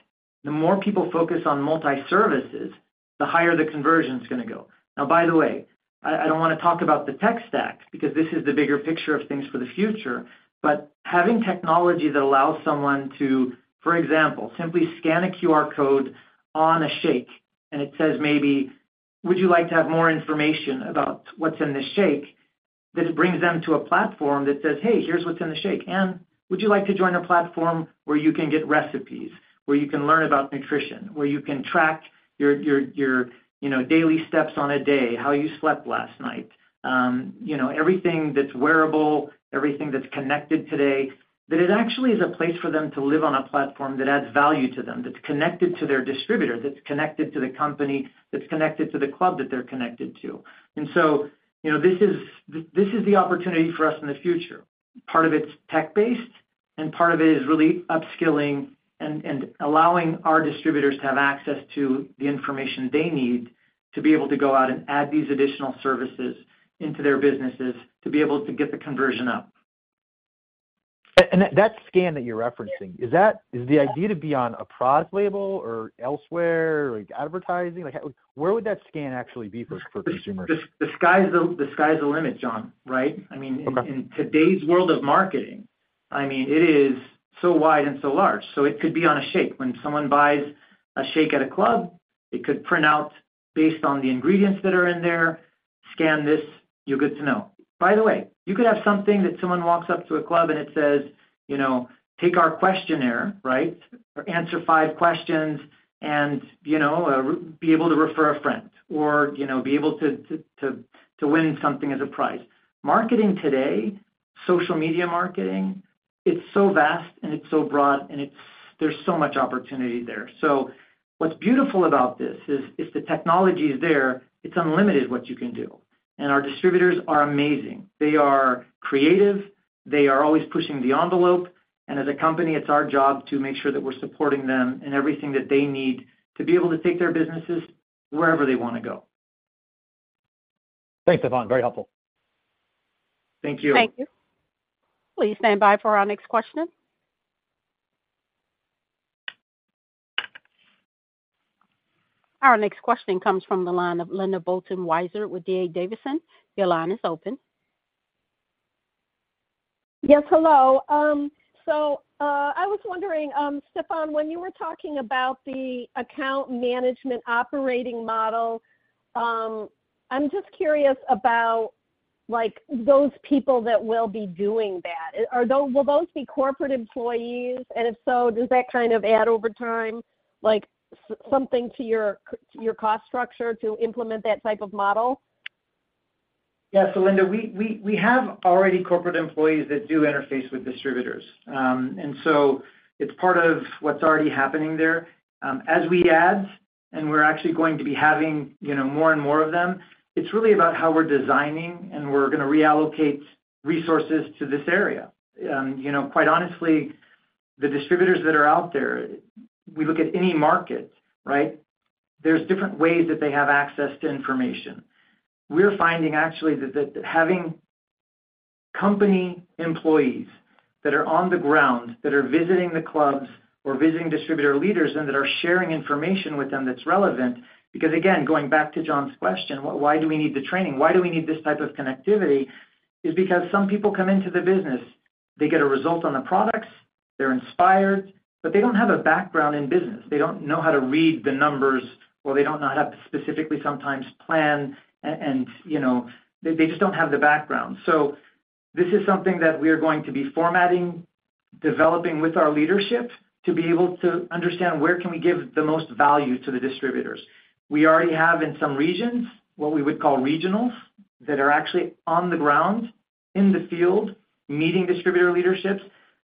the more people focus on multi-services, the higher the conversion is going to go. Now, by the way, I don't want to talk about the tech stack because this is the bigger picture of things for the future. But having technology that allows someone to, for example, simply scan a QR code on a shake, and it says maybe, "Would you like to have more information about what's in this shake?" that it brings them to a platform that says, "Hey, here's what's in the shake. And would you like to join a platform where you can get recipes, where you can learn about nutrition, where you can track your daily steps on a day, how you slept last night?" Everything that's wearable, everything that's connected today, that it actually is a place for them to live on a platform that adds value to them, that's connected to their distributor, that's connected to the company, that's connected to the club that they're connected to. And so this is the opportunity for us in the future. Part of it's tech-based, and part of it is really upskilling and allowing our distributors to have access to the information they need to be able to go out and add these additional services into their businesses to be able to get the conversion up. That scan that you're referencing, is the idea to be on a product label or elsewhere like advertising? Where would that scan actually be for consumers? The sky's the limit, John, right? I mean, in today's world of marketing, I mean, it is so wide and so large. So it could be on a shake. When someone buys a shake at a club, it could print out based on the ingredients that are in there, "Scan this. You're good to know." By the way, you could have something that someone walks up to a club and it says, "Take our questionnaire," right? "Answer five questions and be able to refer a friend or be able to win something as a prize." Marketing today, social media marketing, it's so vast and it's so broad, and there's so much opportunity there. So what's beautiful about this is the technology is there. It's unlimited what you can do. And our distributors are amazing. They are creative. They are always pushing the envelope. As a company, it's our job to make sure that we're supporting them in everything that they need to be able to take their businesses wherever they want to go. Thanks, Stephan. Very helpful. Thank you. Thank you. Please stand by for our next question. Our next question comes from the line of Linda Bolton Weiser with D.A. Davidson. Your line is open. Yes. Hello. So I was wondering, Stephan, when you were talking about the account management operating model, I'm just curious about those people that will be doing that. Will those be corporate employees? And if so, does that kind of add over time something to your cost structure to implement that type of model? Yeah. So Linda, we have already corporate employees that do interface with distributors. And so it's part of what's already happening there. As we add and we're actually going to be having more and more of them, it's really about how we're designing and we're going to reallocate resources to this area. Quite honestly, the distributors that are out there, we look at any market, right? There's different ways that they have access to information. We're finding actually that having company employees that are on the ground that are visiting the clubs or visiting distributor leaders and that are sharing information with them that's relevant because, again, going back to John's question, why do we need the training? Why do we need this type of connectivity? Is because some people come into the business. They get a result on the products. They're inspired, but they don't have a background in business. They don't know how to read the numbers, or they don't know how to specifically sometimes plan. And they just don't have the background. So this is something that we are going to be formatting, developing with our leadership to be able to understand where can we give the most value to the distributors. We already have in some regions what we would call regionals that are actually on the ground in the field meeting distributor leaderships.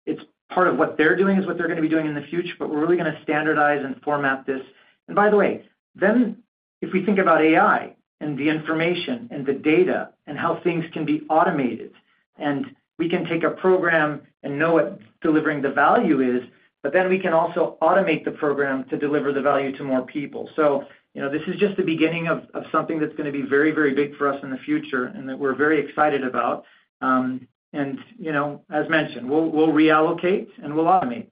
It's part of what they're doing is what they're going to be doing in the future, but we're really going to standardize and format this. By the way, then if we think about AI and the information and the data and how things can be automated and we can take a program and know what delivering the value is, but then we can also automate the program to deliver the value to more people. So this is just the beginning of something that's going to be very, very big for us in the future and that we're very excited about. As mentioned, we'll reallocate and we'll automate.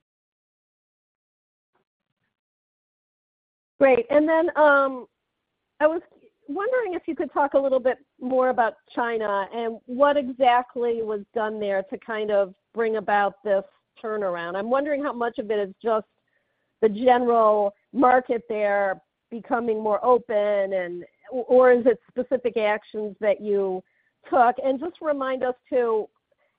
Great. Then I was wondering if you could talk a little bit more about China and what exactly was done there to kind of bring about this turnaround. I'm wondering how much of it is just the general market there becoming more open, or is it specific actions that you took? Just remind us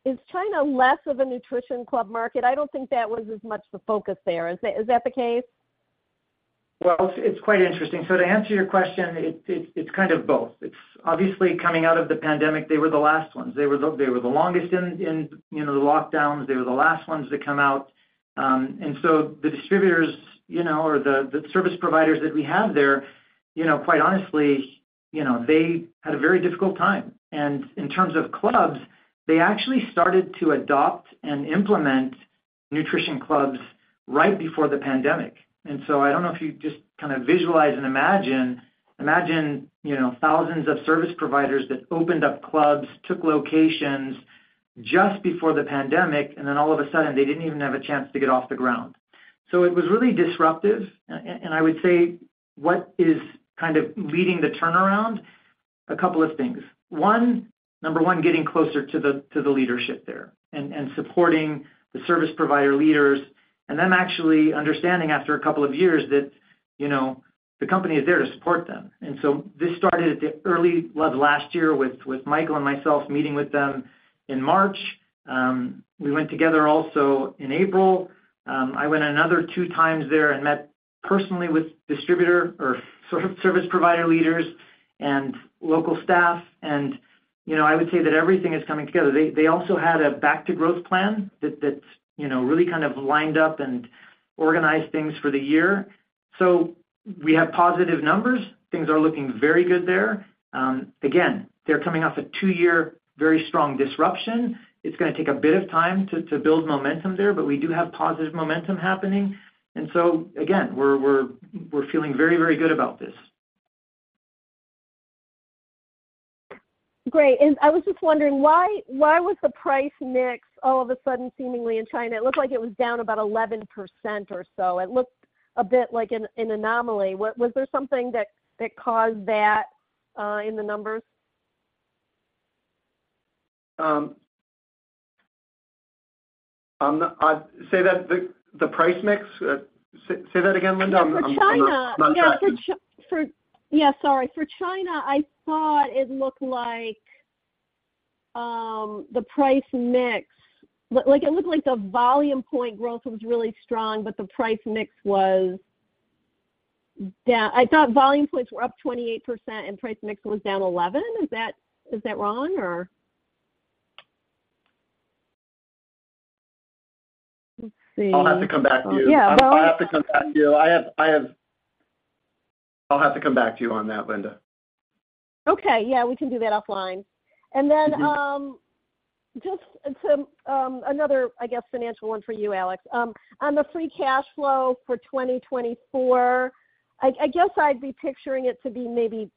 too, is China less of a Nutrition Club market? I don't think that was as much the focus there. Is that the case? Well, it's quite interesting. So to answer your question, it's kind of both. It's obviously coming out of the pandemic, they were the last ones. They were the longest in the lockdowns. They were the last ones to come out. And so the distributors or the service providers that we have there, quite honestly, they had a very difficult time. And in terms of clubs, they actually started to adopt and implement nutrition clubs right before the pandemic. And so I don't know if you just kind of visualize and imagine thousands of service providers that opened up clubs, took locations just before the pandemic, and then all of a sudden, they didn't even have a chance to get off the ground. So it was really disruptive. And I would say what is kind of leading the turnaround? A couple of things. Number one, getting closer to the leadership there and supporting the service provider leaders and them actually understanding after a couple of years that the company is there to support them. And so this started at the early level last year with Michael and myself meeting with them in March. We went together also in April. I went another two times there and met personally with distributor or sort of service provider leaders and local staff. And I would say that everything is coming together. They also had a back-to-growth plan that really kind of lined up and organized things for the year. So we have positive numbers. Things are looking very good there. Again, they're coming off a two-year, very strong disruption. It's going to take a bit of time to build momentum there, but we do have positive momentum happening. So again, we're feeling very, very good about this. Great. I was just wondering, why was the price mix all of a sudden seemingly in China? It looked like it was down about 11% or so. It looked a bit like an anomaly. Was there something that caused that in the numbers? Say that? The price mix? Say that again, Linda. For China. Yeah. Yeah. Sorry. For China, I thought it looked like the price mix. It looked like the Volume Point growth was really strong, but the price mix was down. I thought Volume Points were up 28% and price mix was down 11%. Is that wrong, or? Let's see. I'll have to come back to you. Yeah. Bye. I'll have to come back to you on that, Linda. Okay. Yeah. We can do that offline. And then just another, I guess, financial one for you, Alex. On the free cash flow for 2024, I guess I'd be picturing it to be maybe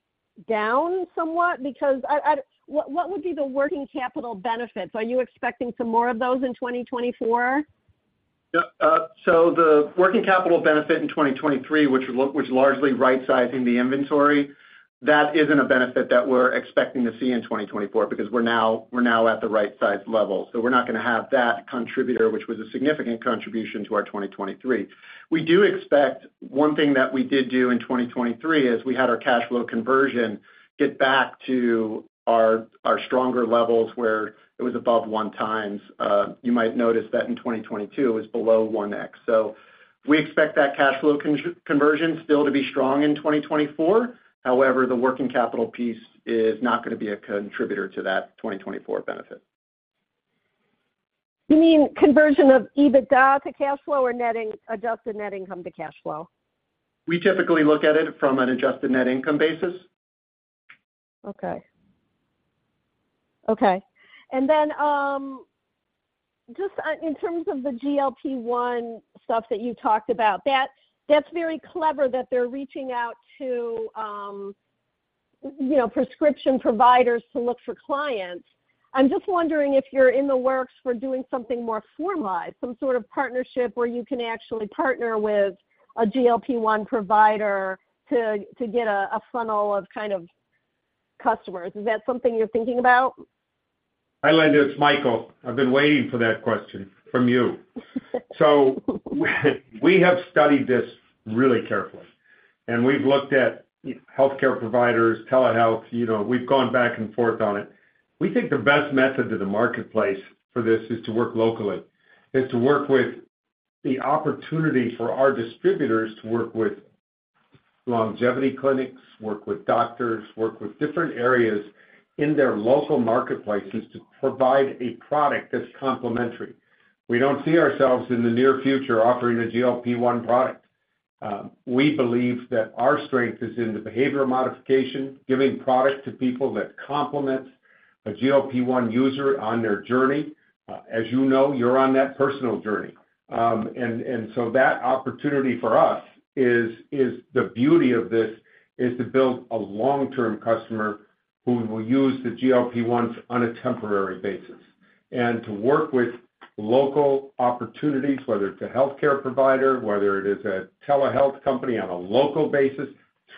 down somewhat because what would be the working capital benefits? Are you expecting some more of those in 2024? The working capital benefit in 2023, which largely right-sizing the inventory, that isn't a benefit that we're expecting to see in 2024 because we're now at the right-sized level. We're not going to have that contributor, which was a significant contribution to our 2023. We do expect one thing that we did do in 2023 is we had our cash flow conversion get back to our stronger levels where it was above 1x. You might notice that in 2022, it was below 1x. We expect that cash flow conversion still to be strong in 2024. However, the working capital piece is not going to be a contributor to that 2024 benefit. You mean conversion of EBITDA to cash flow or adjusted net income to cash flow? We typically look at it from an adjusted net income basis. Okay. Okay. And then just in terms of the GLP-1 stuff that you talked about, that's very clever that they're reaching out to prescription providers to look for clients. I'm just wondering if you're in the works for doing something more formalized, some sort of partnership where you can actually partner with a GLP-1 provider to get a funnel of kind of customers. Is that something you're thinking about? Hi, Linda. It's Michael. I've been waiting for that question from you. So we have studied this really carefully, and we've looked at healthcare providers, telehealth. We've gone back and forth on it. We think the best method to the marketplace for this is to work locally, is to work with the opportunity for our distributors to work with longevity clinics, work with doctors, work with different areas in their local marketplaces to provide a product that's complementary. We don't see ourselves in the near future offering a GLP-1 product. We believe that our strength is in the behavioral modification, giving product to people that complements a GLP-1 user on their journey. As you know, you're on that personal journey. And so that opportunity for us is the beauty of this is to build a long-term customer who will use the GLP-1s on a temporary basis and to work with local opportunities, whether it's a healthcare provider, whether it is a telehealth company on a local basis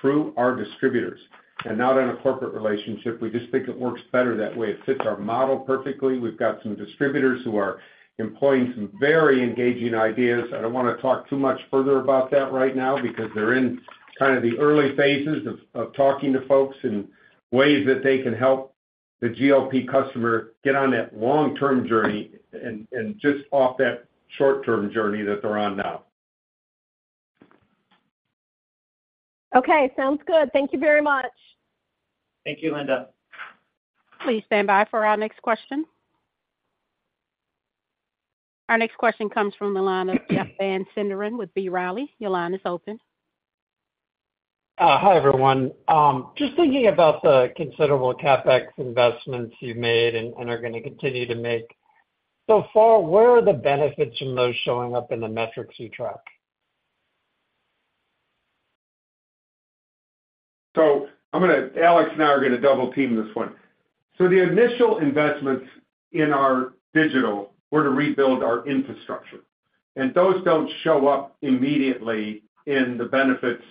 through our distributors and not on a corporate relationship. We just think it works better that way. It fits our model perfectly. We've got some distributors who are employing some very engaging ideas. I don't want to talk too much further about that right now because they're in kind of the early phases of talking to folks and ways that they can help the GLP customer get on that long-term journey and just off that short-term journey that they're on now. Okay. Sounds good. Thank you very much. Thank you, Linda. Please stand by for our next question. Our next question comes from the line of Jeff Van Sinderen with B. Riley. Your line is open. Hi, everyone. Just thinking about the considerable CapEx investments you've made and are going to continue to make so far, where are the benefits from those showing up in the metrics you track? So Alex and I are going to double-team this one. The initial investments in our digital were to rebuild our infrastructure. Those don't show up immediately in the benefits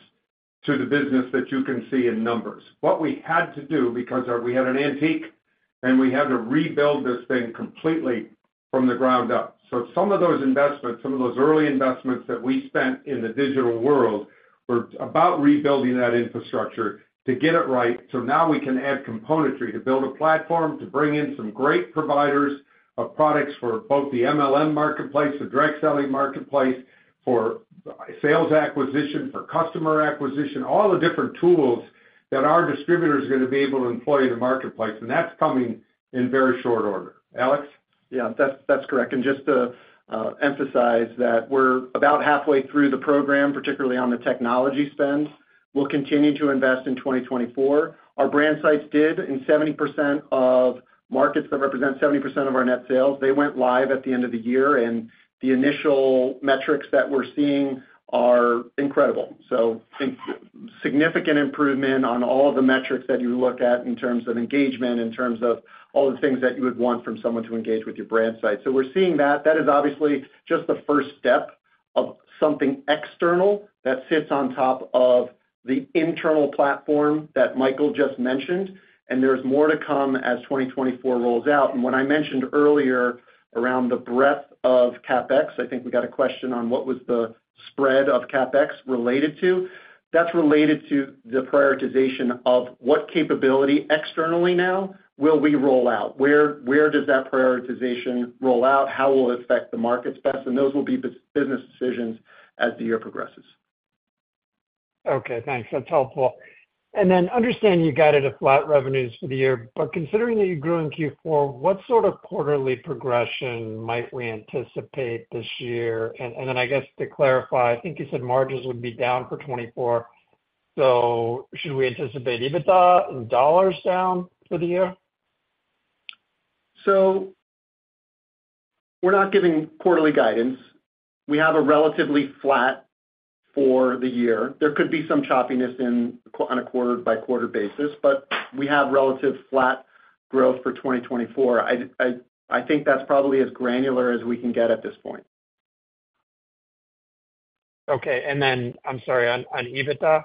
to the business that you can see in numbers. What we had to do because we had an antique, and we had to rebuild this thing completely from the ground up. Some of those investments, some of those early investments that we spent in the digital world were about rebuilding that infrastructure to get it right so now we can add componentry to build a platform to bring in some great providers of products for both the MLM marketplace, the direct selling marketplace, for sales acquisition, for customer acquisition, all the different tools that our distributor is going to be able to employ in the marketplace. That's coming in very short order. Alex? Yeah. That's correct. And just to emphasize that we're about halfway through the program, particularly on the technology spend. We'll continue to invest in 2024. Our brand sites did, and 70% of markets that represent 70% of our net sales, they went live at the end of the year. And the initial metrics that we're seeing are incredible. So significant improvement on all of the metrics that you look at in terms of engagement, in terms of all the things that you would want from someone to engage with your brand site. So we're seeing that. That is obviously just the first step of something external that sits on top of the internal platform that Michael just mentioned. And there's more to come as 2024 rolls out. When I mentioned earlier around the breadth of CapEx, I think we got a question on what was the spread of CapEx related to. That's related to the prioritization of what capability externally now will we roll out? Where does that prioritization roll out? How will it affect the markets best? Those will be business decisions as the year progresses. Okay. Thanks. That's helpful. And then understanding you got it at flat revenues for the year, but considering that you grew in Q4, what sort of quarterly progression might we anticipate this year? And then I guess to clarify, I think you said margins would be down for 2024. So should we anticipate EBITDA in dollars down for the year? We're not giving quarterly guidance. We have a relatively flat for the year. There could be some choppiness on a quarter-by-quarter basis, but we have relative flat growth for 2024. I think that's probably as granular as we can get at this point. Okay. Then I'm sorry. On EBITDA,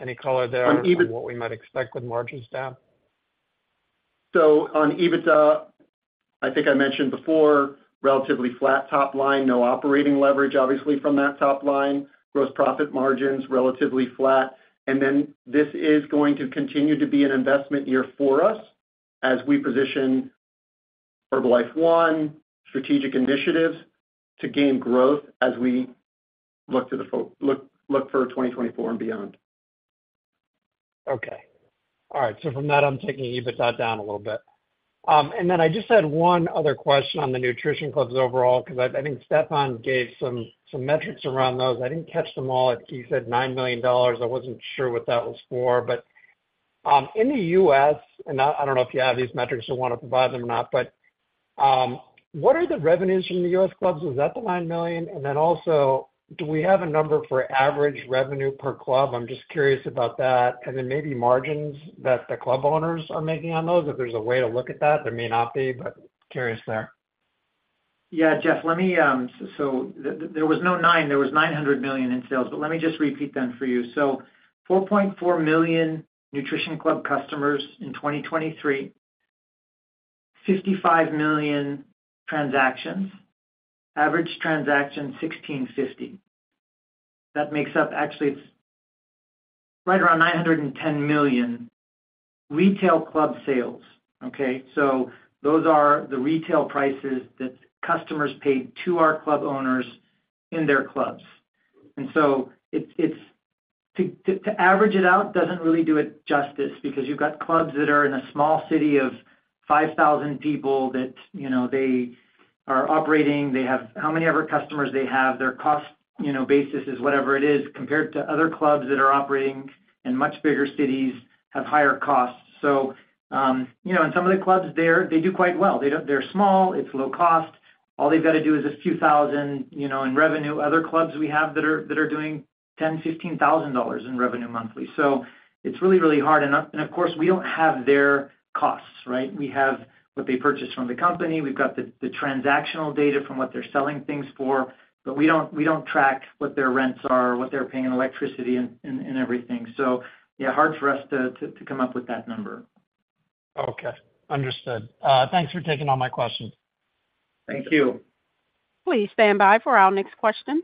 any color there on what we might expect with margins down? On EBITDA, I think I mentioned before, relatively flat top line, no operating leverage, obviously, from that top line, gross profit margins relatively flat. This is going to continue to be an investment year for us as we position Herbalife One, strategic initiatives to gain growth as we look to the look for 2024 and beyond. Okay. All right. So from that, I'm taking EBITDA down a little bit. And then I just had one other question on the nutrition clubs overall because I think Stephan gave some metrics around those. I didn't catch them all. He said $9 million. I wasn't sure what that was for. But in the U.S., and I don't know if you have these metrics or want to provide them or not, but what are the revenues from the US clubs? Was that the $9 million? And then also, do we have a number for average revenue per club? I'm just curious about that. And then maybe margins that the club owners are making on those, if there's a way to look at that. There may not be, but curious there. Yeah, Jeff. So there was no 9. There was $900 million in sales. But let me just repeat them for you. So 4.4 million Nutrition Club customers in 2023, 55 million transactions, average transaction $1,650. That makes up actually, it's right around $910 million retail club sales. Okay? So those are the retail prices that customers paid to our club owners in their clubs. And so to average it out doesn't really do it justice because you've got clubs that are in a small city of 5,000 people that they are operating. They have however many customers they have, their cost basis is whatever it is compared to other clubs that are operating in much bigger cities, have higher costs. So in some of the clubs there, they do quite well. They're small. It's low cost. All they've got to do is a few thousand dollars in revenue. Other clubs we have that are doing $10,000-$15,000 in revenue monthly. It's really, really hard. Of course, we don't have their costs, right? We have what they purchase from the company. We've got the transactional data from what they're selling things for. But we don't track what their rents are, what they're paying in electricity and everything. Yeah, hard for us to come up with that number. Okay. Understood. Thanks for taking all my questions. Thank you. Please stand by for our next question.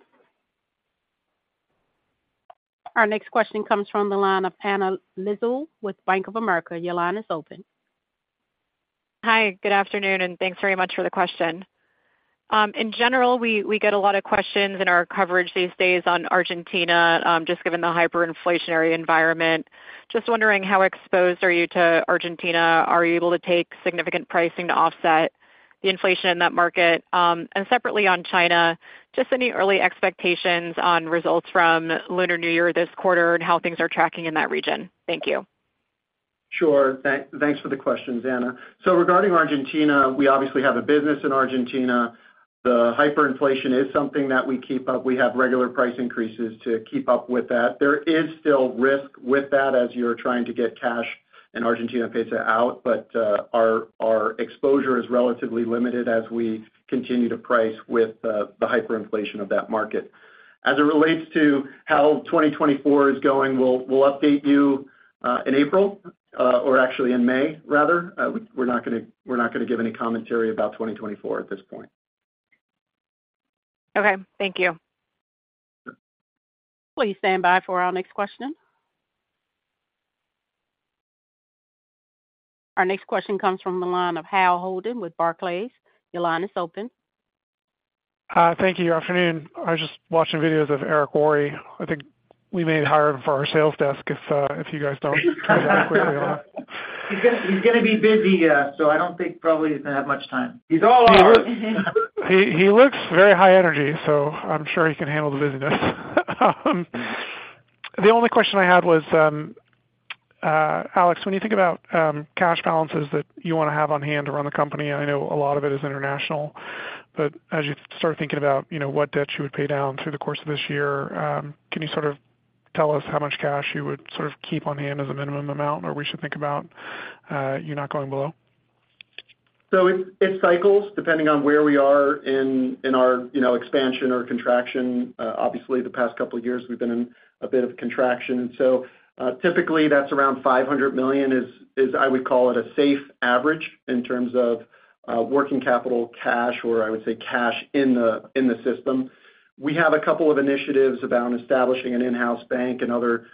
Our next question comes from the line of Anna Lizzul with Bank of America. Your line is open. Hi. Good afternoon. Thanks very much for the question. In general, we get a lot of questions in our coverage these days on Argentina just given the hyperinflationary environment. Just wondering, how exposed are you to Argentina? Are you able to take significant pricing to offset the inflation in that market? And separately on China, just any early expectations on results from Lunar New Year this quarter and how things are tracking in that region? Thank you. Sure. Thanks for the questions, Anna. So regarding Argentina, we obviously have a business in Argentina. The hyperinflation is something that we keep up. We have regular price increases to keep up with that. There is still risk with that as you're trying to get cash and Argentina pays it out. But our exposure is relatively limited as we continue to price with the hyperinflation of that market. As it relates to how 2024 is going, we'll update you in April or actually in May, rather. We're not going to give any commentary about 2024 at this point. Okay. Thank you. Please stand by for our next question. Our next question comes from the line of Hale Holden with Barclays. Your line is open. Thank you. Good afternoon. I was just watching videos of Eric Worre. I think we may hire him for our sales desk if you guys don't transact quickly, Anna. He's going to be busy, so I don't think probably he's going to have much time. He's all on. He looks very high energy, so I'm sure he can handle the busyness. The only question I had was, Alex, when you think about cash balances that you want to have on hand to run the company, I know a lot of it is international. But as you start thinking about what debt you would pay down through the course of this year, can you sort of tell us how much cash you would sort of keep on hand as a minimum amount or we should think about you not going below? So it cycles depending on where we are in our expansion or contraction. Obviously, the past couple of years, we've been in a bit of contraction. And so typically, that's around $500 million, I would call it, a safe average in terms of working capital cash or I would say cash in the system. We have a couple of initiatives about establishing an in-house bank and other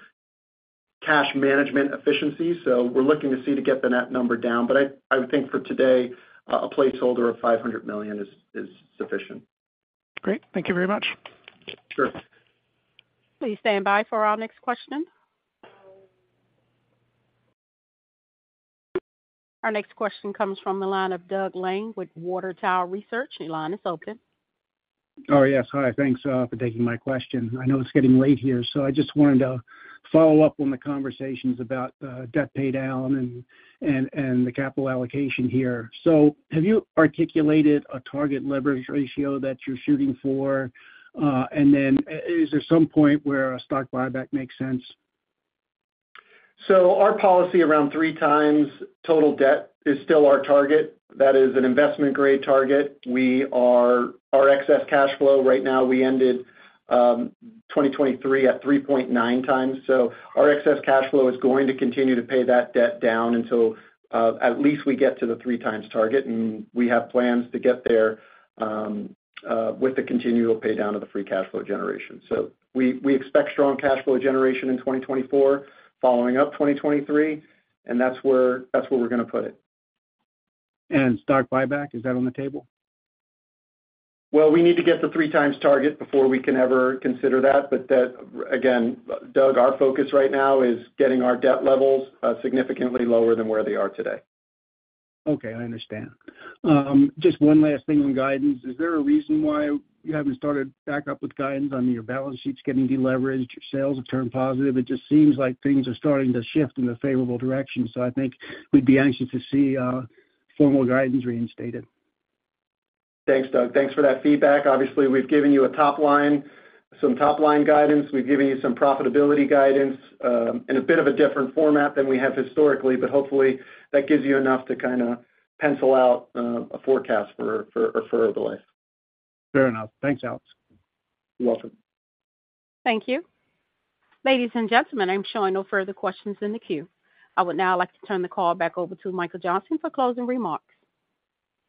cash management efficiencies. So we're looking to see to get the net number down. But I would think for today, a placeholder of $500 million is sufficient. Great. Thank you very much. Sure. Please stand by for our next question. Our next question comes from the line of Doug Lane with WaterTower Research. Your line is open. Oh, yes. Hi. Thanks for taking my question. I know it's getting late here. So I just wanted to follow up on the conversations about debt paydown and the capital allocation here. So have you articulated a target leverage ratio that you're shooting for? And then is there some point where a stock buyback makes sense? Our policy around 3x total debt is still our target. That is an investment-grade target. Our excess cash flow right now, we ended 2023 at 3.9x. Our excess cash flow is going to continue to pay that debt down until at least we get to the 3x target. We have plans to get there with the continual paydown of the free cash flow generation. We expect strong cash flow generation in 2024, following up 2023. That's where we're going to put it. Stock buyback, is that on the table? Well, we need to get the 3x target before we can ever consider that. But again, Doug, our focus right now is getting our debt levels significantly lower than where they are today. Okay. I understand. Just one last thing on guidance. Is there a reason why you haven't started back up with guidance on your balance sheets getting deleveraged, your sales have turned positive? It just seems like things are starting to shift in a favorable direction. I think we'd be anxious to see formal guidance reinstated. Thanks, Doug. Thanks for that feedback. Obviously, we've given you some top-line guidance. We've given you some profitability guidance in a bit of a different format than we have historically. But hopefully, that gives you enough to kind of pencil out a forecast for Herbalife. Fair enough. Thanks, Alex. You're welcome. Thank you. Ladies and gentlemen, I'm showing no further questions in the queue. I would now like to turn the call back over to Michael Johnson for closing remarks.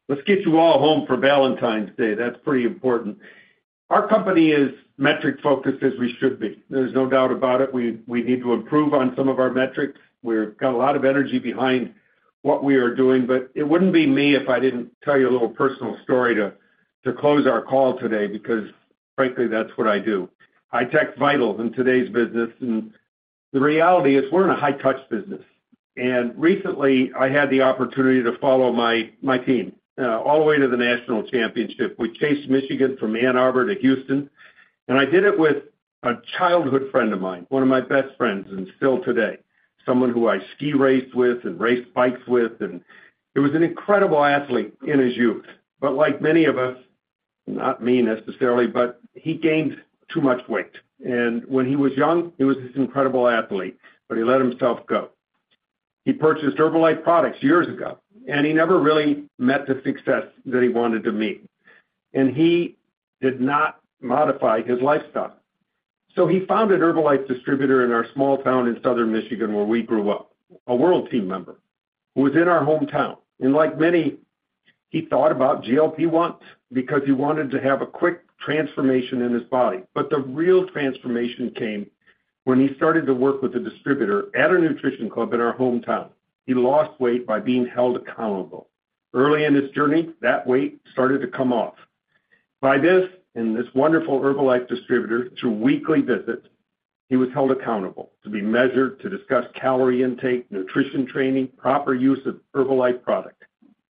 Let's get you all home for Valentine's Day. That's pretty important. Our company is metric-focused as we should be. There's no doubt about it. We need to improve on some of our metrics. We've got a lot of energy behind what we are doing. But it wouldn't be me if I didn't tell you a little personal story to close our call today because, frankly, that's what I do. It's vital in today's business. And the reality is we're in a high-touch business. And recently, I had the opportunity to follow my team all the way to the national championship. We chased Michigan from Ann Arbor to Houston. And I did it with a childhood friend of mine, one of my best friends and still today, someone who I ski raced with and raced bikes with. And he was an incredible athlete in his youth. But like many of us, not me necessarily, but he gained too much weight. When he was young, he was this incredible athlete, but he let himself go. He purchased Herbalife products years ago, and he never really met the success that he wanted to meet. He did not modify his lifestyle. So he found a Herbalife distributor in our small town in southern Michigan where we grew up, a World Team member, who was in our hometown. Like many, he thought about GLP-1 because he wanted to have a quick transformation in his body. But the real transformation came when he started to work with a distributor at a Nutrition Club in our hometown. He lost weight by being held accountable. Early in his journey, that weight started to come off. By this and this wonderful Herbalife distributor, through weekly visits, he was held accountable to be measured, to discuss calorie intake, nutrition training, proper use of Herbalife product.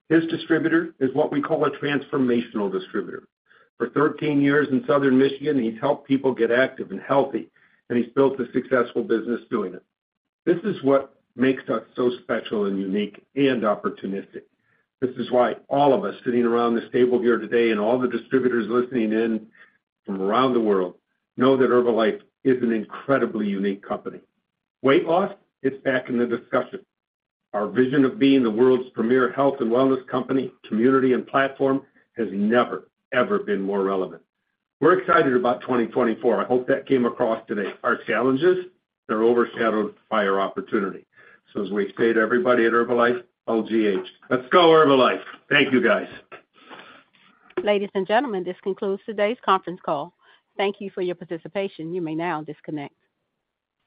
His distributor is what we call a transformational distributor. For 13 years in southern Michigan, he's helped people get active and healthy, and he's built a successful business doing it. This is what makes us so special and unique and opportunistic. This is why all of us sitting around this table here today and all the distributors listening in from around the world know that Herbalife is an incredibly unique company. Weight loss, it's back in the discussion. Our vision of being the world's premier health and wellness company, community, and platform has never, ever been more relevant. We're excited about 2024. I hope that came across today. Our challenges, they're overshadowed by our opportunity. So as we say to everybody at Herbalife, LGH, let's go Herbalife. Thank you, guys. Ladies and gentlemen, this concludes today's conference call. Thank you for your participation. You may now disconnect.